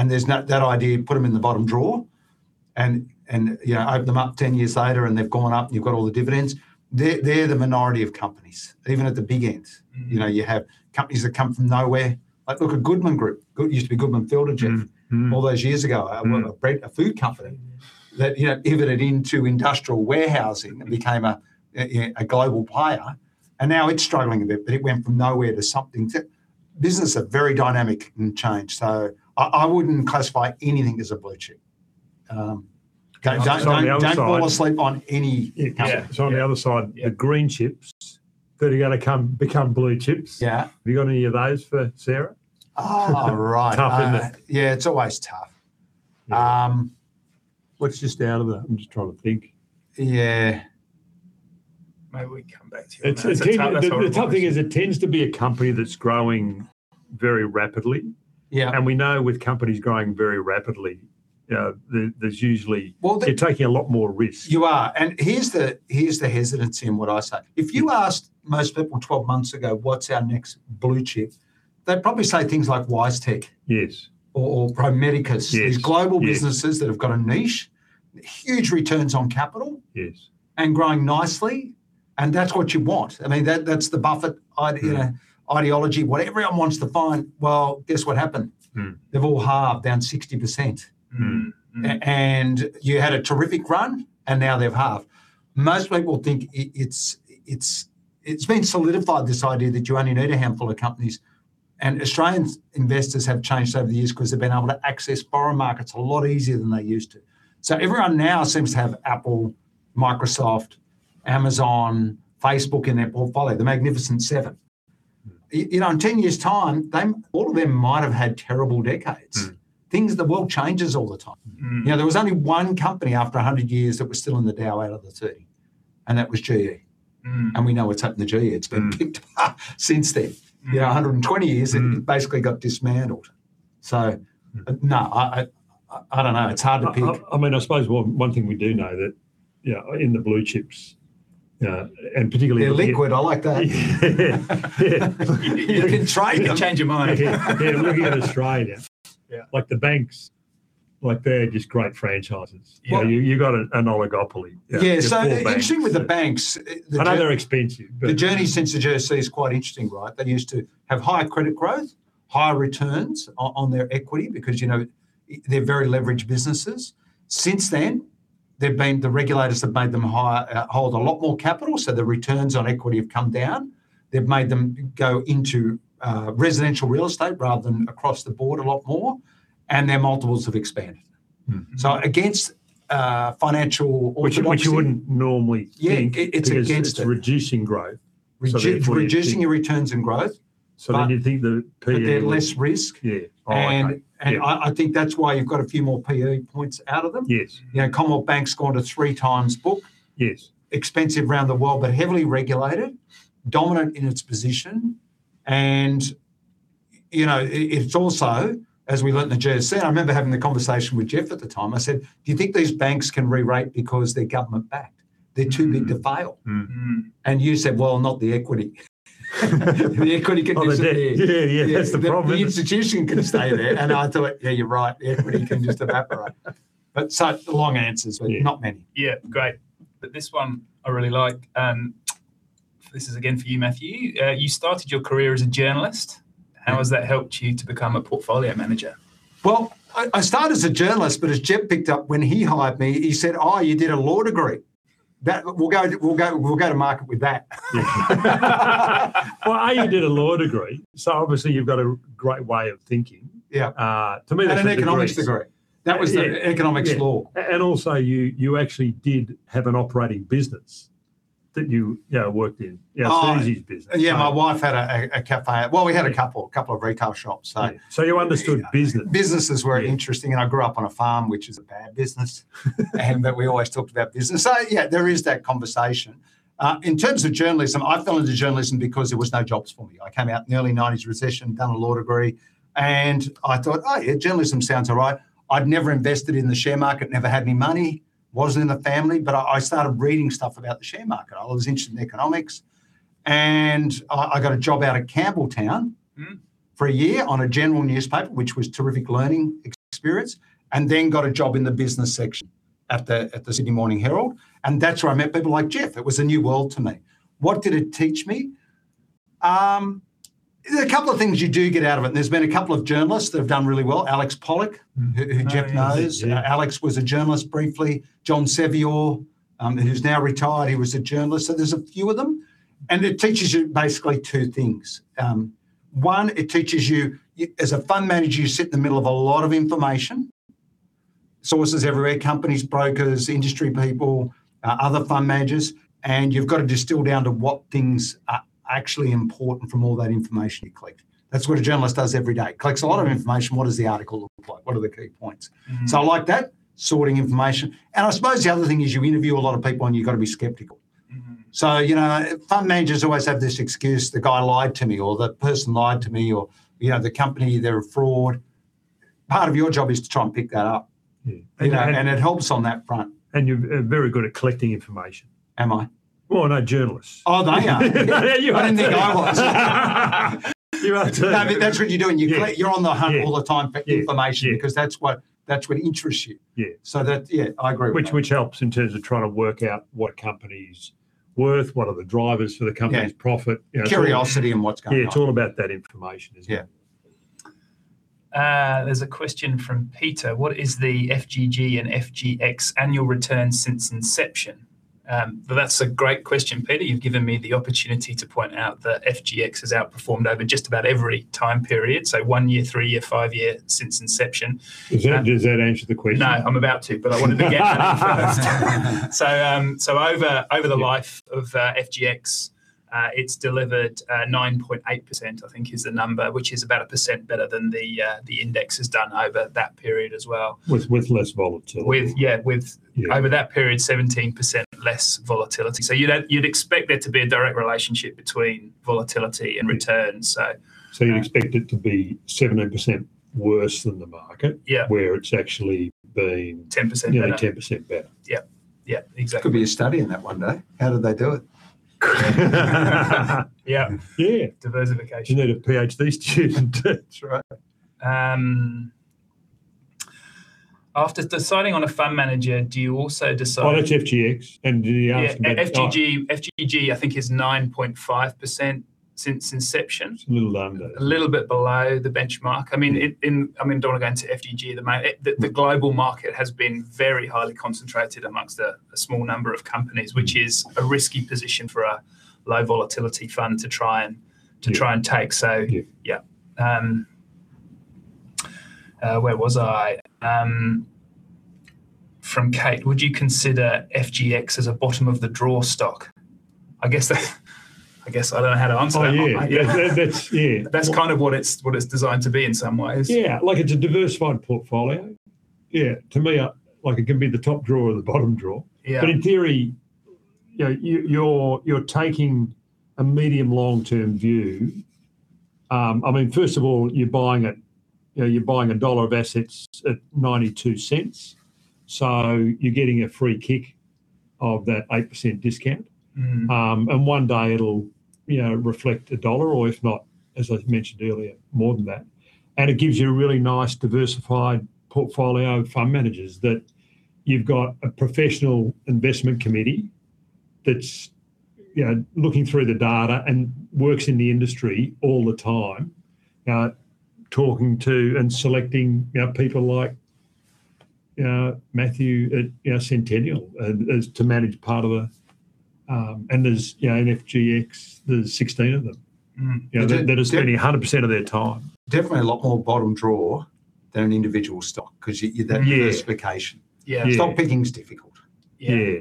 There's that idea, put them in the bottom drawer. You know, open them up 10 years later and they've gone up and you've got all the dividends. They're the minority of companies, even at the big ends. You know, you have companies that come from nowhere. Like, look at Goodman Group, used to be Goodman Fielder. Limited all those years ago. A food company that, you know, pivoted into industrial warehousing. Became a global player, and now it's struggling a bit, but it went from nowhere to something. The businesses are very dynamic and changing, so I wouldn't classify anything as a blue chip. 'Cause on the other side. Don't fall asleep on any company. Yeah. Yeah. On the other side. Yeah The green chips that are gonna become blue chips. Yeah. Have you got any of those for Sarah? Oh, right. Tough, isn't it? Yeah, it's always tough. I'm just trying to think. Yeah. Maybe we come back to you on that. It's even. That's sort of what I was. The tough thing is it tends to be a company that's growing very rapidly. Yeah. We know with companies growing very rapidly, there's usually- Well, they. They're taking a lot more risk. You are, and here's the hesitancy in what I say. If you asked most people 12 months ago, "What's our next blue chip?" They'd probably say things like WiseTech Yes Pro Medicus. Yes, yes. These global businesses that have got a niche, huge returns on capital. Yes Growing nicely, and that's what you want. I mean, that's the Buffett Yeah You know, ideology. What everyone wants to find. Well, guess what happened? They've all halved, down 60%. You had a terrific run, and now they've halved. Most people think it's been solidified, this idea that you only need a handful of companies, and Australian investors have changed over the years 'cause they've been able to access foreign markets a lot easier than they used to. Everyone now seems to have Apple, Microsoft, Amazon, Facebook in their portfolio, the Magnificent Seven. You know, in 10 years' time, they all of them might have had terrible decades. Things, the world changes all the time. You know, there was only one company after 100 years that was still in the Dow out of the 30, and that was GE. Mm. We know what's happened to GE. Mm. It's been picked apart since then. You know, 120 years. It basically got dismantled. No, I dunno, it's hard to pick. I mean, I suppose one thing we do know that, you know, in the blue chips, and particularly- They're liquid, I like that. Yeah. You can trade them. You can change your mind. Yeah, looking at Australia. Yeah like, the banks, like, they're just great franchises. Well- You know, you got an oligopoly. Yeah. Four banks. interesting with the banks, the I know they're expensive. The journey since the GFC is quite interesting, right? They used to have higher credit growth, higher returns on their equity, because, you know, they're very leveraged businesses. Since then, the regulators have made them hold a lot more capital, so the returns on equity have come down. They've made them go into residential real estate rather than across the board a lot more, and their multiples have expanded. Against financial orthodoxy. Which you wouldn't normally think- Yeah, it's against it. because it's reducing growth, so the equity Reducing your returns and growth. You think the PE will? They're less risky. Yeah. Oh, okay. Yeah. I think that's why you've got a few more PE points out of them. Yes. You know, Commonwealth Bank's gone to three times book. Yes. Expensive around the world, but heavily regulated, dominant in its position, and, you know, it's also, as we learned in the GFC, and I remember having the conversation with Geoff at the time, I said, "Do you think these banks can re-rate because they're government backed? They're too big to fail. You said, "Well, not the equity." The equity can disappear. On the debt. Yeah, yeah, that's the problem. The institution can stay there, and I thought, yeah, you're right, the equity can just evaporate. Yeah not many. Yeah, great. This one I really like. This is again for you, Matthew. You started your career as a journalist. How has that helped you to become a portfolio manager? Well, I started as a journalist, but as Geoff picked up when he hired me, he said, "Oh, you did a law degree. That, we'll go to market with that. Well, A, you did a law degree, so obviously you've got a great way of thinking. Yeah. To me that's a big risk. An economics degree. Yeah Economics law. You actually did have an operating business that you know worked in. Oh. Our strategies business. Yeah, my wife had a cafe. Well, we had a couple of retail shops, so. You understood business. Businesses were interesting. Yeah I grew up on a farm, which is a bad business. But we always talked about business. Yeah, there is that conversation. In terms of journalism, I fell into journalism because there was no jobs for me. I came out in the early 1990s recession, done a law degree, and I thought, "Oh, yeah, journalism sounds all right." I'd never invested in the share market, never had any money, wasn't in the family, but I started reading stuff about the share market. I was interested in economics, and I got a job out at Campbelltown for a year on a general newspaper, which was terrific learning experience, and then got a job in the business section at the Sydney Morning Herald, and that's where I met people like Geoff. It was a new world to me. What did it teach me? There's a couple of things you do get out of it, and there's been a couple of journalists that have done really well. Alex Pollak I know him, yeah. Who Geoff knows. You know, Alex was a journalist briefly. John Sevior, who's now retired, he was a journalist. There's a few of them, and it teaches you basically two things. One, it teaches you as a fund manager, you sit in the middle of a lot of information, sources everywhere, companies, brokers, industry people, other fund managers, and you've gotta distill down to what things are actually important from all that information you collect. That's what a journalist does every day, collects a lot of information, what does the article look like? What are the key points? I like that, sorting information, and I suppose the other thing is you interview a lot of people and you've gotta be skeptical. You know, fund managers always have this excuse, "The guy lied to me," or, "The person lied to me," or, you know, "The company, they're a fraud." Part of your job is to try and pick that up. Yeah. You know? It helps on that front. You are very good at collecting information. Am I? Well, no journalists. Oh, they are? You are too. I didn't think I was. You are too. No, but that's what you're doing, you collect- Yeah, yeah. You're on the hunt all the time for information. Yeah, yeah. 'Cause that's what interests you. Yeah. That, yeah, I agree with that. Which helps in terms of trying to work out what company's worth, what are the drivers for the company's. Yeah Profit. You know, Curiosity and what's going on. Yeah, it's all about that information, isn't it? Yeah. There's a question from Peter, "What is the FGG and FGX annual return since inception?" Well, that's a great question, Peter. You've given me the opportunity to point out that FGX has outperformed over just about every time period, so one year, three year, five year, since inception. Does that answer the question? No, but I wanted to gaslight you first. over the life- Yeah Of FGX, it's delivered 9.8%, I think, is the number, which is about 1% better than the index has done over that period as well. With less volatility. With... Yeah, with- Yeah Over that period, 17% less volatility. You'd expect there to be a direct relationship between volatility and returns. You'd expect it to be 17% worse than the market. Yeah Where it's actually been. 10% better Yeah, 10% better. Yep. Yep, exactly. Could be a study in that one day. How did they do it? Yep. Yeah. Diversification. You need a PhD student. That's right. After deciding on a fund manager, do you also decide- Oh, that's FGX. Yeah To that, it's not. FGG I think is 9.5% since inception. It's a little under. A little bit below the benchmark. I mean, don't wanna go into FGG at the mo- Yeah The global market has been very highly concentrated amongst a small number of companies. Which is a risky position for a low volatility fund to try and. Yeah To try and take. Yeah Yeah. Where was I? From Kate, "Would you consider FGX as a bottom of the drawer stock?" I guess I don't know how to answer that one, Matt. Oh, yeah. Yeah, that's. Yeah. That's kind of what it's designed to be in some ways. Yeah, like it's a diversified portfolio. Yeah. To me, like it can be the top drawer or the bottom drawer. Yeah. In theory, you know, you're taking a medium long-term view. I mean, first of all, you're buying, you know, a dollar of assets at 0.92, so you're getting a free kick of that 8% discount. One day it'll, you know, reflect a dollar or if not, as I mentioned earlier, more than that. It gives you a really nice diversified portfolio of fund managers, that you've got a professional investment committee that's, you know, looking through the data, and works in the industry all the time. Talking to and selecting, you know, people like Matthew at, you know, Centennial, as to manage part of a. There's, you know, in FGX there's 16 of them. Yeah, that. You know, that are spending 100% of their time. Definitely a lot more bottom drawer than an individual stock, 'cause you Yeah that diversification. Yeah. Yeah. Stock picking's difficult. Yeah.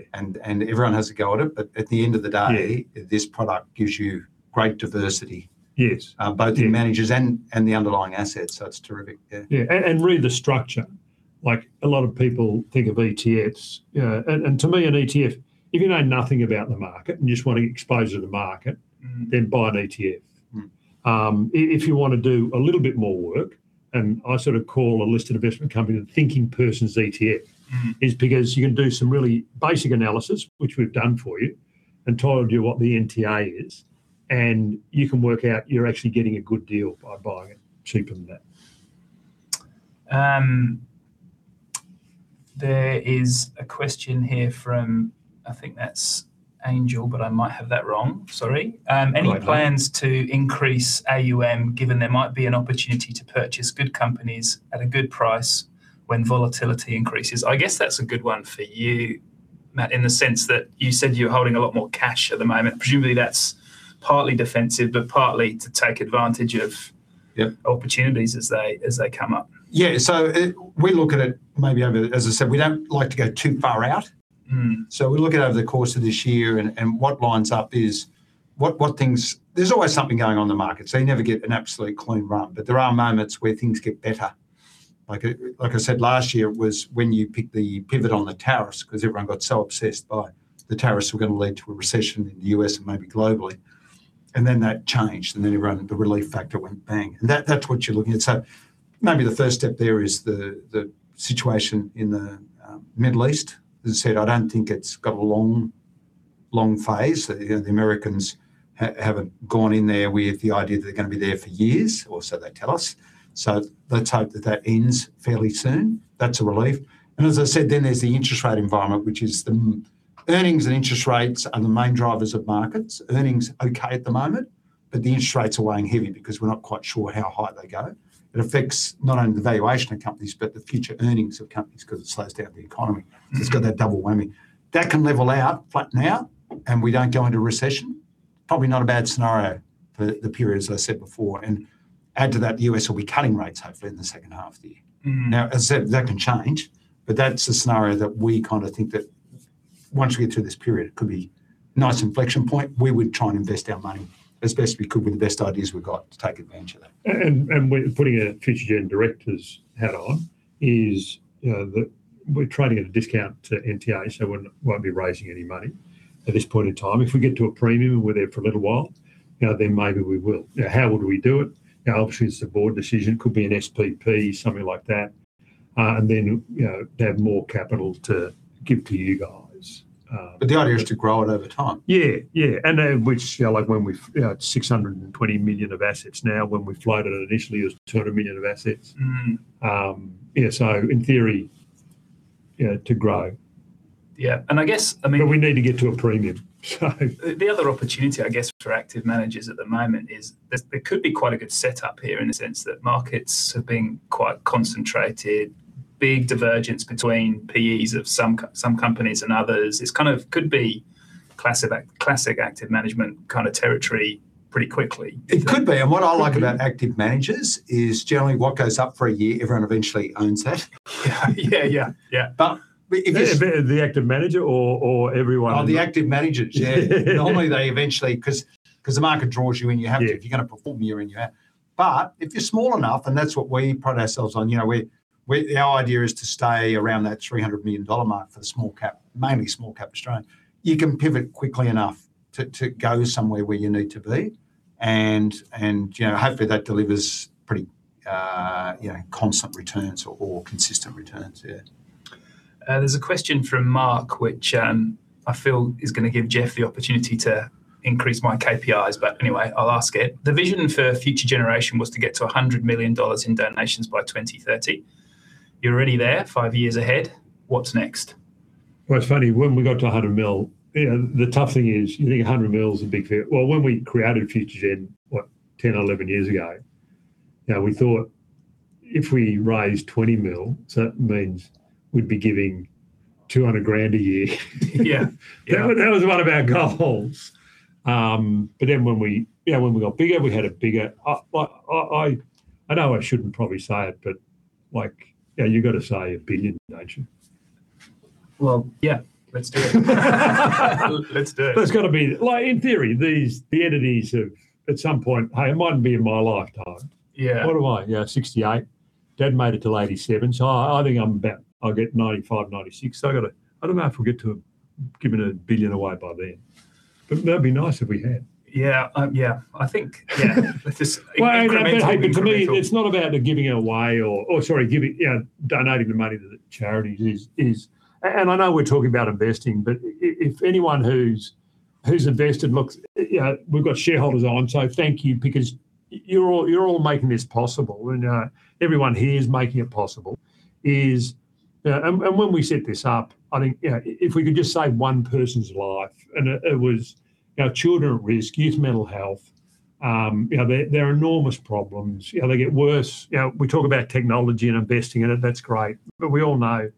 Everyone has a go at it, but at the end of the day. Yeah This product gives you great diversity. Yes... uh, both- Yeah The managers and the underlying assets, so it's terrific. Yeah. Yeah. Really the structure, like, a lot of people think of ETFs, you know. To me, an ETF, if you know nothing about the market and you just want exposure to the market. buy an ETF. If you wanna do a little bit more work, and I sort of call a listed investment company the thinking person's ETF. Is because you can do some really basic analysis, which we've done for you, and told you what the NTA is, and you can work out you're actually getting a good deal by buying it cheaper than that. There is a question here from, I think that's Angel, but I might have that wrong, sorry. Quite likely. Any plans to increase AUM, given there might be an opportunity to purchase good companies at a good price when volatility increases? I guess that's a good one for you, Matt, in the sense that you said you're holding a lot more cash at the moment. Presumably that's partly defensive, but partly to take advantage of. Yep Opportunities as they come up. We look at it maybe over. As I said, we don't like to go too far out. We look at over the course of this year, and what lines up is what things. There's always something going on in the market, so you never get an absolute clean run, but there are moments where things get better. Like I said, last year was when you picked the pivot on the tariffs, 'cause everyone got so obsessed by the tariffs were gonna lead to a recession in the U.S. and maybe globally. Then that changed, and then everyone, the relief factor went bang. That, that's what you're looking at. Maybe the first step there is the situation in the Middle East. As I said, I don't think it's got a long phase. You know, the Americans haven't gone in there with the idea they're gonna be there for years, or so they tell us. Let's hope that ends fairly soon. That's a relief. As I said, then there's the interest rate environment. Earnings and interest rates are the main drivers of markets. Earnings are okay at the moment, but the interest rates are weighing heavy because we're not quite sure how high they go. It affects not only the valuation of companies, but the future earnings of companies 'cause it slows down the economy. It's got that double whammy. That can level out, flatten out, and we don't go into recession. Probably not a bad scenario for the period, as I said before. Add to that, the U.S. will be cutting rates hopefully in the second half of the year. Now, as I said, that can change, but that's the scenario that we kinda think that once we get through this period could be nice inflection point. We would try and invest our money as best we could with the best ideas we've got to take advantage of that. We're putting our Future Gen director's hat on. You know, we're trading at a discount to NTA, so we won't be raising any money at this point in time. If we get to a premium and we're there for a little while, you know, then maybe we will. You know, how would we do it? You know, obviously it's a board decision. Could be an SPP, something like that. You know, they have more capital to give to you guys. The idea is to grow it over time. Yeah, yeah. Which, you know, like when we, you know, it's 620 million of assets now. When we floated it initially it was 200 million of assets. Um, yeah, so in theory- You know, to grow. I guess, I mean. We need to get to a premium, so. The other opportunity, I guess, for active managers at the moment is there could be quite a good setup here in the sense that markets are being quite concentrated, big divergence between PEs of some companies and others. It's kind of could be classic active management kind of territory pretty quickly. It could be. What I like about active managers is generally what goes up for a year, everyone eventually owns that. Yeah. Yeah, yeah. It is. Yeah, the active manager or everyone? Oh, the active managers, yeah. Normally they eventually 'cause the market draws you in. You have to. Yeah. If you're gonna perform, you're in that. If you're small enough, and that's what we pride ourselves on, you know, the idea is to stay around that 300 million dollar mark for the small cap, mainly small cap Australian. You can pivot quickly enough to go somewhere where you need to be. You know, hopefully that delivers pretty constant returns or consistent returns, yeah. There's a question from Mark which, I feel is gonna give Geoff the opportunity to increase my KPIs, but anyway, I'll ask it. "The vision for Future Generation was to get to 100 million dollars in donations by 2030. You're already there, five years ahead. What's next? Well, it's funny, when we got to 100 million. You know, the tough thing is, you know, you think 100 million is a big figure. Well, when we created Future Generation, what, 10 or 11 years ago, you know, we thought if we raised 20 million, so it means we'd be giving 200,000 a year. Yeah. Yeah. That was one of our goals. When we, you know, when we got bigger, we had a bigger. I know I shouldn't probably say it, but, like, yeah, you gotta say a billion, don't you? Well, yeah. Let's do it. Let's do it. That's gotta be like, in theory, these entities have at some point. Hey, it mightn't be in my lifetime. Yeah. What am I? Yeah, 68%. Dad made it to 87%, so I think I'm about. I'll get 95%, 96%. I gotta. I don't know if we'll get to giving 1 billion away by then, but that'd be nice if we had. Yeah, I think. Let's just incrementally- Well, to me, it's not about giving it away or, sorry, giving, you know, donating the money to the charities. I know we're talking about investing, but if anyone who's invested, look, you know, we've got shareholders on, so thank you, because you're all making this possible, and everyone here is making it possible. You know, when we set this up, I think, you know, if we could just save one person's life, and it was, you know, children at risk, youth mental health, you know, there are enormous problems. You know, they get worse. You know, we talk about technology and investing, and that's great, but we all know,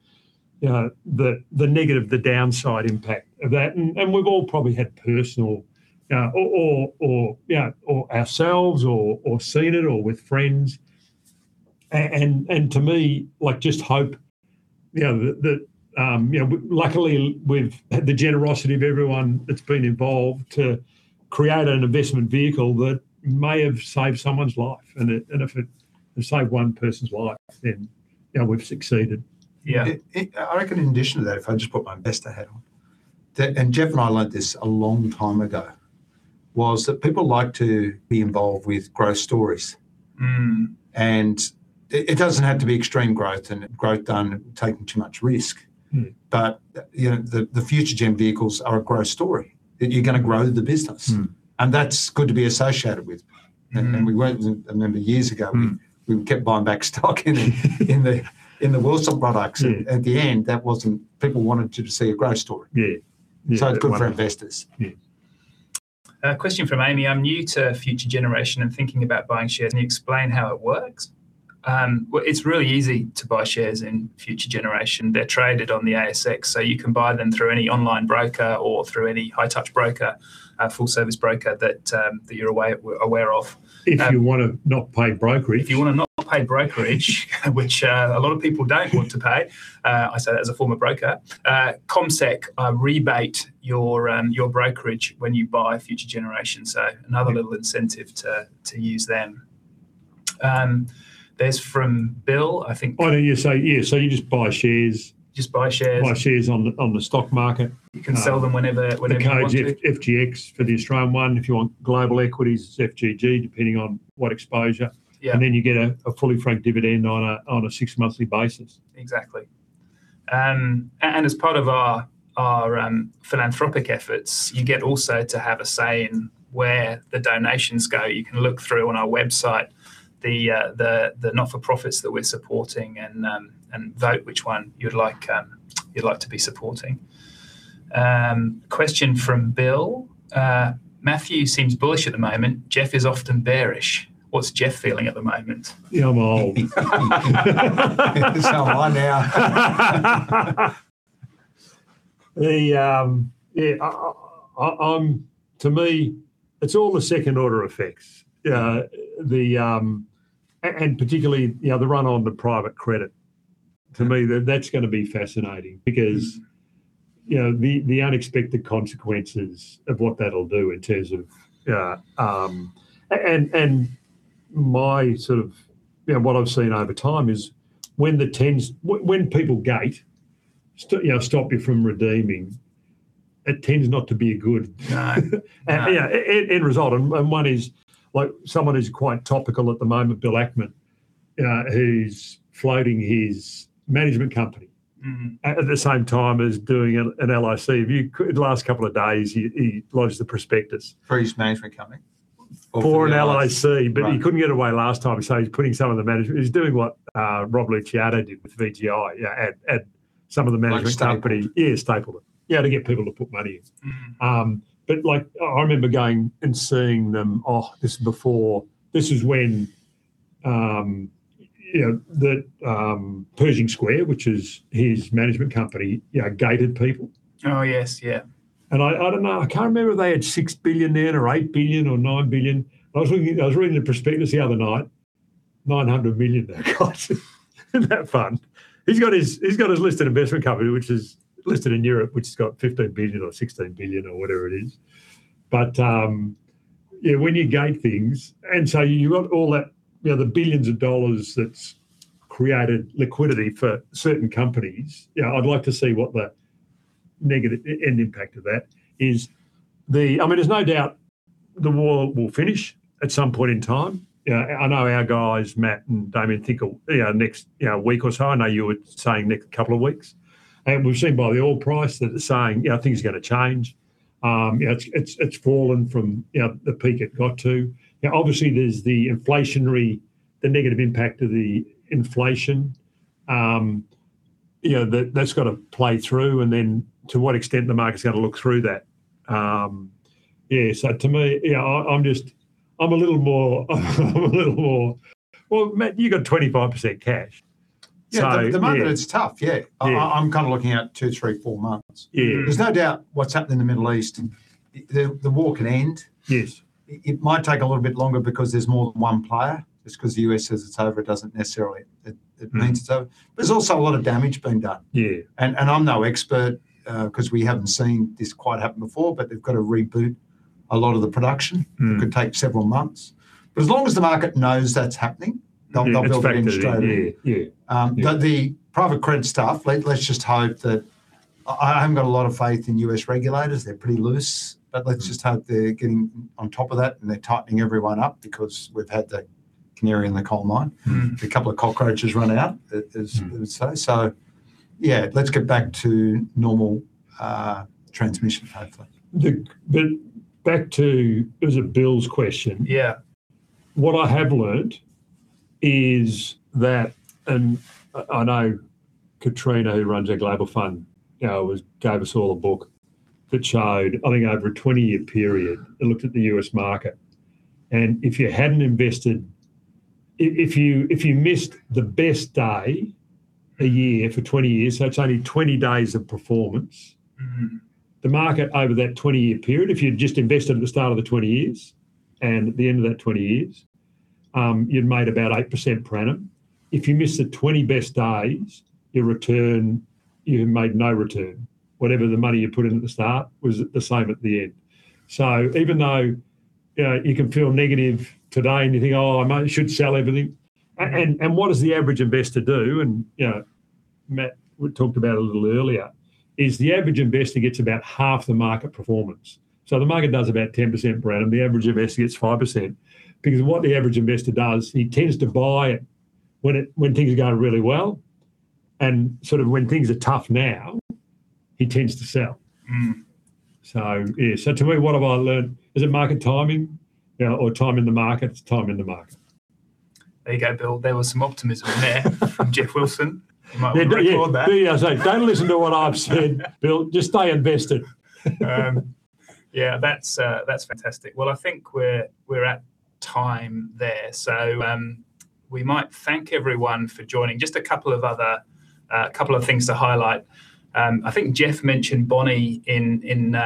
you know, the negative, the downside impact of that. We've all probably had personal, you know, or ourselves or seen it or with friends. To me, like, just hope, you know, that luckily we've had the generosity of everyone that's been involved to create an investment vehicle that may have saved someone's life, and if it has saved one person's life, then, you know, we've succeeded. Yeah. I reckon in addition to that, if I just put my investor hat on, that Geoff Wilson and I learned this a long time ago, was that people like to be involved with growth stories. It doesn't have to be extreme growth done taking too much risk you know, the Future Generation vehicles are a growth story that you're gonna grow the business That's good to be associated with. I remember years ago. We kept buying back stock in the Wilson products. At the end, people wanted to see a growth story. Yeah. Yeah. It's good for investors. Yeah. A question from Amy, "I'm new to Future Generation and thinking about buying shares. Can you explain how it works?" Well, it's really easy to buy shares in Future Generation. They're traded on the ASX, so you can buy them through any online broker or through any high touch broker, full service broker that you're aware of. If you wanna not pay brokerage. If you wanna not pay brokerage, which, a lot of people don't want to pay. Mm. I say that as a former broker. CommSec rebate your brokerage when you buy Future Generation, so another little incentive to use them. There's from Bill, I think- Oh, yeah, you just buy shares. Just buy shares. Buy shares on the stock market. You can sell them whenever you want to. The code FGX for the Australian one. If you want global equities, it's FGG, depending on what exposure. Yeah. You get a fully franked dividend on a six-monthly basis. Exactly. And as part of our philanthropic efforts, you get also to have a say in where the donations go. You can look through on our website the not-for-profits that we're supporting and vote which one you'd like to be supporting. Question from Bill, "Matthew seems bullish at the moment. Geoff is often bearish. What's Geoff feeling at the moment? Yeah, I'm old. Am I now? To me, it's all the second order effects. Yeah. Particularly, you know, the run on the private credit. To me, that's gonna be fascinating. Mm because, you know, the unexpected consequences of what that'll do in terms of, and my sort of, you know, what I've seen over time is when people gate, you know, stop you from redeeming, it tends not to be a good- No, no. You know, end result. One is, like someone who's quite topical at the moment, Bill Ackman, you know, who's floating his management company. Mm at the same time as doing an LIC. If you check in the last couple of days, he launched the prospectus. For his management company? For an LIC. Right He couldn't get away last time, so he's putting some of the management. He's doing what Robert Luciano did with VGI, you know, at some of the management company. Like a staple. Yeah, stapled it. Yeah, to get people to put money in. Mm. Like, I remember going and seeing them. This was when, you know, the Pershing Square, which is his management company, you know, gated people. Oh, yes, yeah. I don't know, I can't remember if they had 6 billion then or 8 billion or 9 billion. I was looking. I was reading the prospectus the other night, 900 million they've got in that fund. He's got his listed investment company, which is listed in Europe, which has got 15 billion or 16 billion or whatever it is. You know, when you gate things, and so you've got all that, you know, the billions of dollars that's created liquidity for certain companies, you know, I'd like to see what the negative end impact of that is. I mean, there's no doubt the war will finish at some point in time. You know, I know our guys, Matthew and Damien, think it'll next week or so. I know you were saying next couple of weeks. We've seen by the oil price that it's saying, you know, things are gonna change. You know, it's fallen from, you know, the peak it got to. You know, obviously there's the inflationary, the negative impact of the inflation. You know, that's gotta play through, and then to what extent the market's gotta look through that. Yeah, so to me, you know, I'm just, I'm a little more. Well, Matt, you've got 25% cash. Yeah. Yeah, at the moment it's tough, yeah. Yeah. I'm kind of looking at 2, 3, 4 months. Yeah. There's no doubt what's happened in the Middle East. The war could end. Yes. It might take a little bit longer because there's more than one player. Just because the U.S. says it's over, it doesn't necessarily mean it's over. Mm. There's also a lot of damage been done. Yeah. I'm no expert, 'cause we haven't seen this quite happen before, but they've got to reboot a lot of the production. Mm. Could take several months. As long as the market knows that's happening. Yeah, it's factored in. They'll be patient. Yeah. Yeah. Yeah. The private credit stuff, let's just hope that I haven't got a lot of faith in U.S. regulators. They're pretty loose. Mm. Let's just hope they're getting on top of that and they're tightening everyone up, because we've had the canary in the coal mine. Mm. A couple of cockroaches run out, as they say. Mm. Yeah, let's get back to normal, transmission hopefully. Was it Bill's question? Yeah. What I have learnt is that I know Katrina, who runs our global fund, you know, gave us all a book that showed, I think, over a 20-year period, it looked at the U.S. market, and if you hadn't invested, if you missed the best day a year for 20 years, so it's only 20 days of performance. Mm the market over that 20-year period, if you'd just invested at the start of the 20 years and at the end of that 20 years, you'd have made about 8% per annum. If you missed the 20 best days, your return, you'd have made no return. Whatever the money you put in at the start was the same at the end. Even though, you know, you can feel negative today and you think, "Oh, I might, should sell everything" what does the average investor do? You know, Matt talked about it a little earlier, is the average investor gets about half the market performance. The market does about 10% per annum, the average investor gets 5%. Because what the average investor does, he tends to buy when things are going really well, and sort of when things are tough now, he tends to sell. Yeah, so to me, what have I learned? Is it market timing, you know, or time in the market? It's time in the market. There you go, Bill, there was some optimism there from Geoff Wilson. You might want to record that. Yeah, yeah. Don't listen to what I've said, Bill. Just stay invested. Yeah, that's fantastic. Well, I think we're at time there, so we might thank everyone for joining. Just a couple of things to highlight. I think Geoff mentioned Bonnie in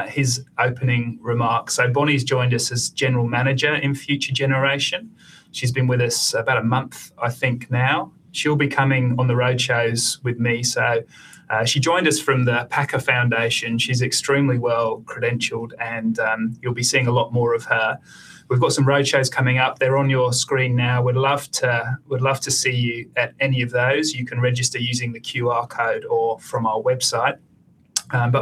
his opening remarks. Bonnie's joined us as General Manager in Future Generation. She's been with us about a month, I think, now. She'll be coming on the roadshows with me, so she joined us from the Packer Family Foundation. She's extremely well-credentialed and you'll be seeing a lot more of her. We've got some roadshows coming up, they're on your screen now. We'd love to see you at any of those. You can register using the QR code or from our website.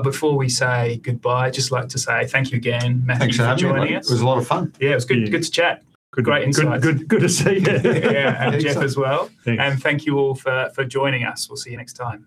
Before we say goodbye, just like to say thank you again, Matthew Kidman, for joining us. Thanks for having me. It was a lot of fun. Yeah, it was good. Yeah Good to chat. Great insights. Good to see you. Yeah. Thanks. Geoff as well. Thanks. Thank you all for joining us. We'll see you next time.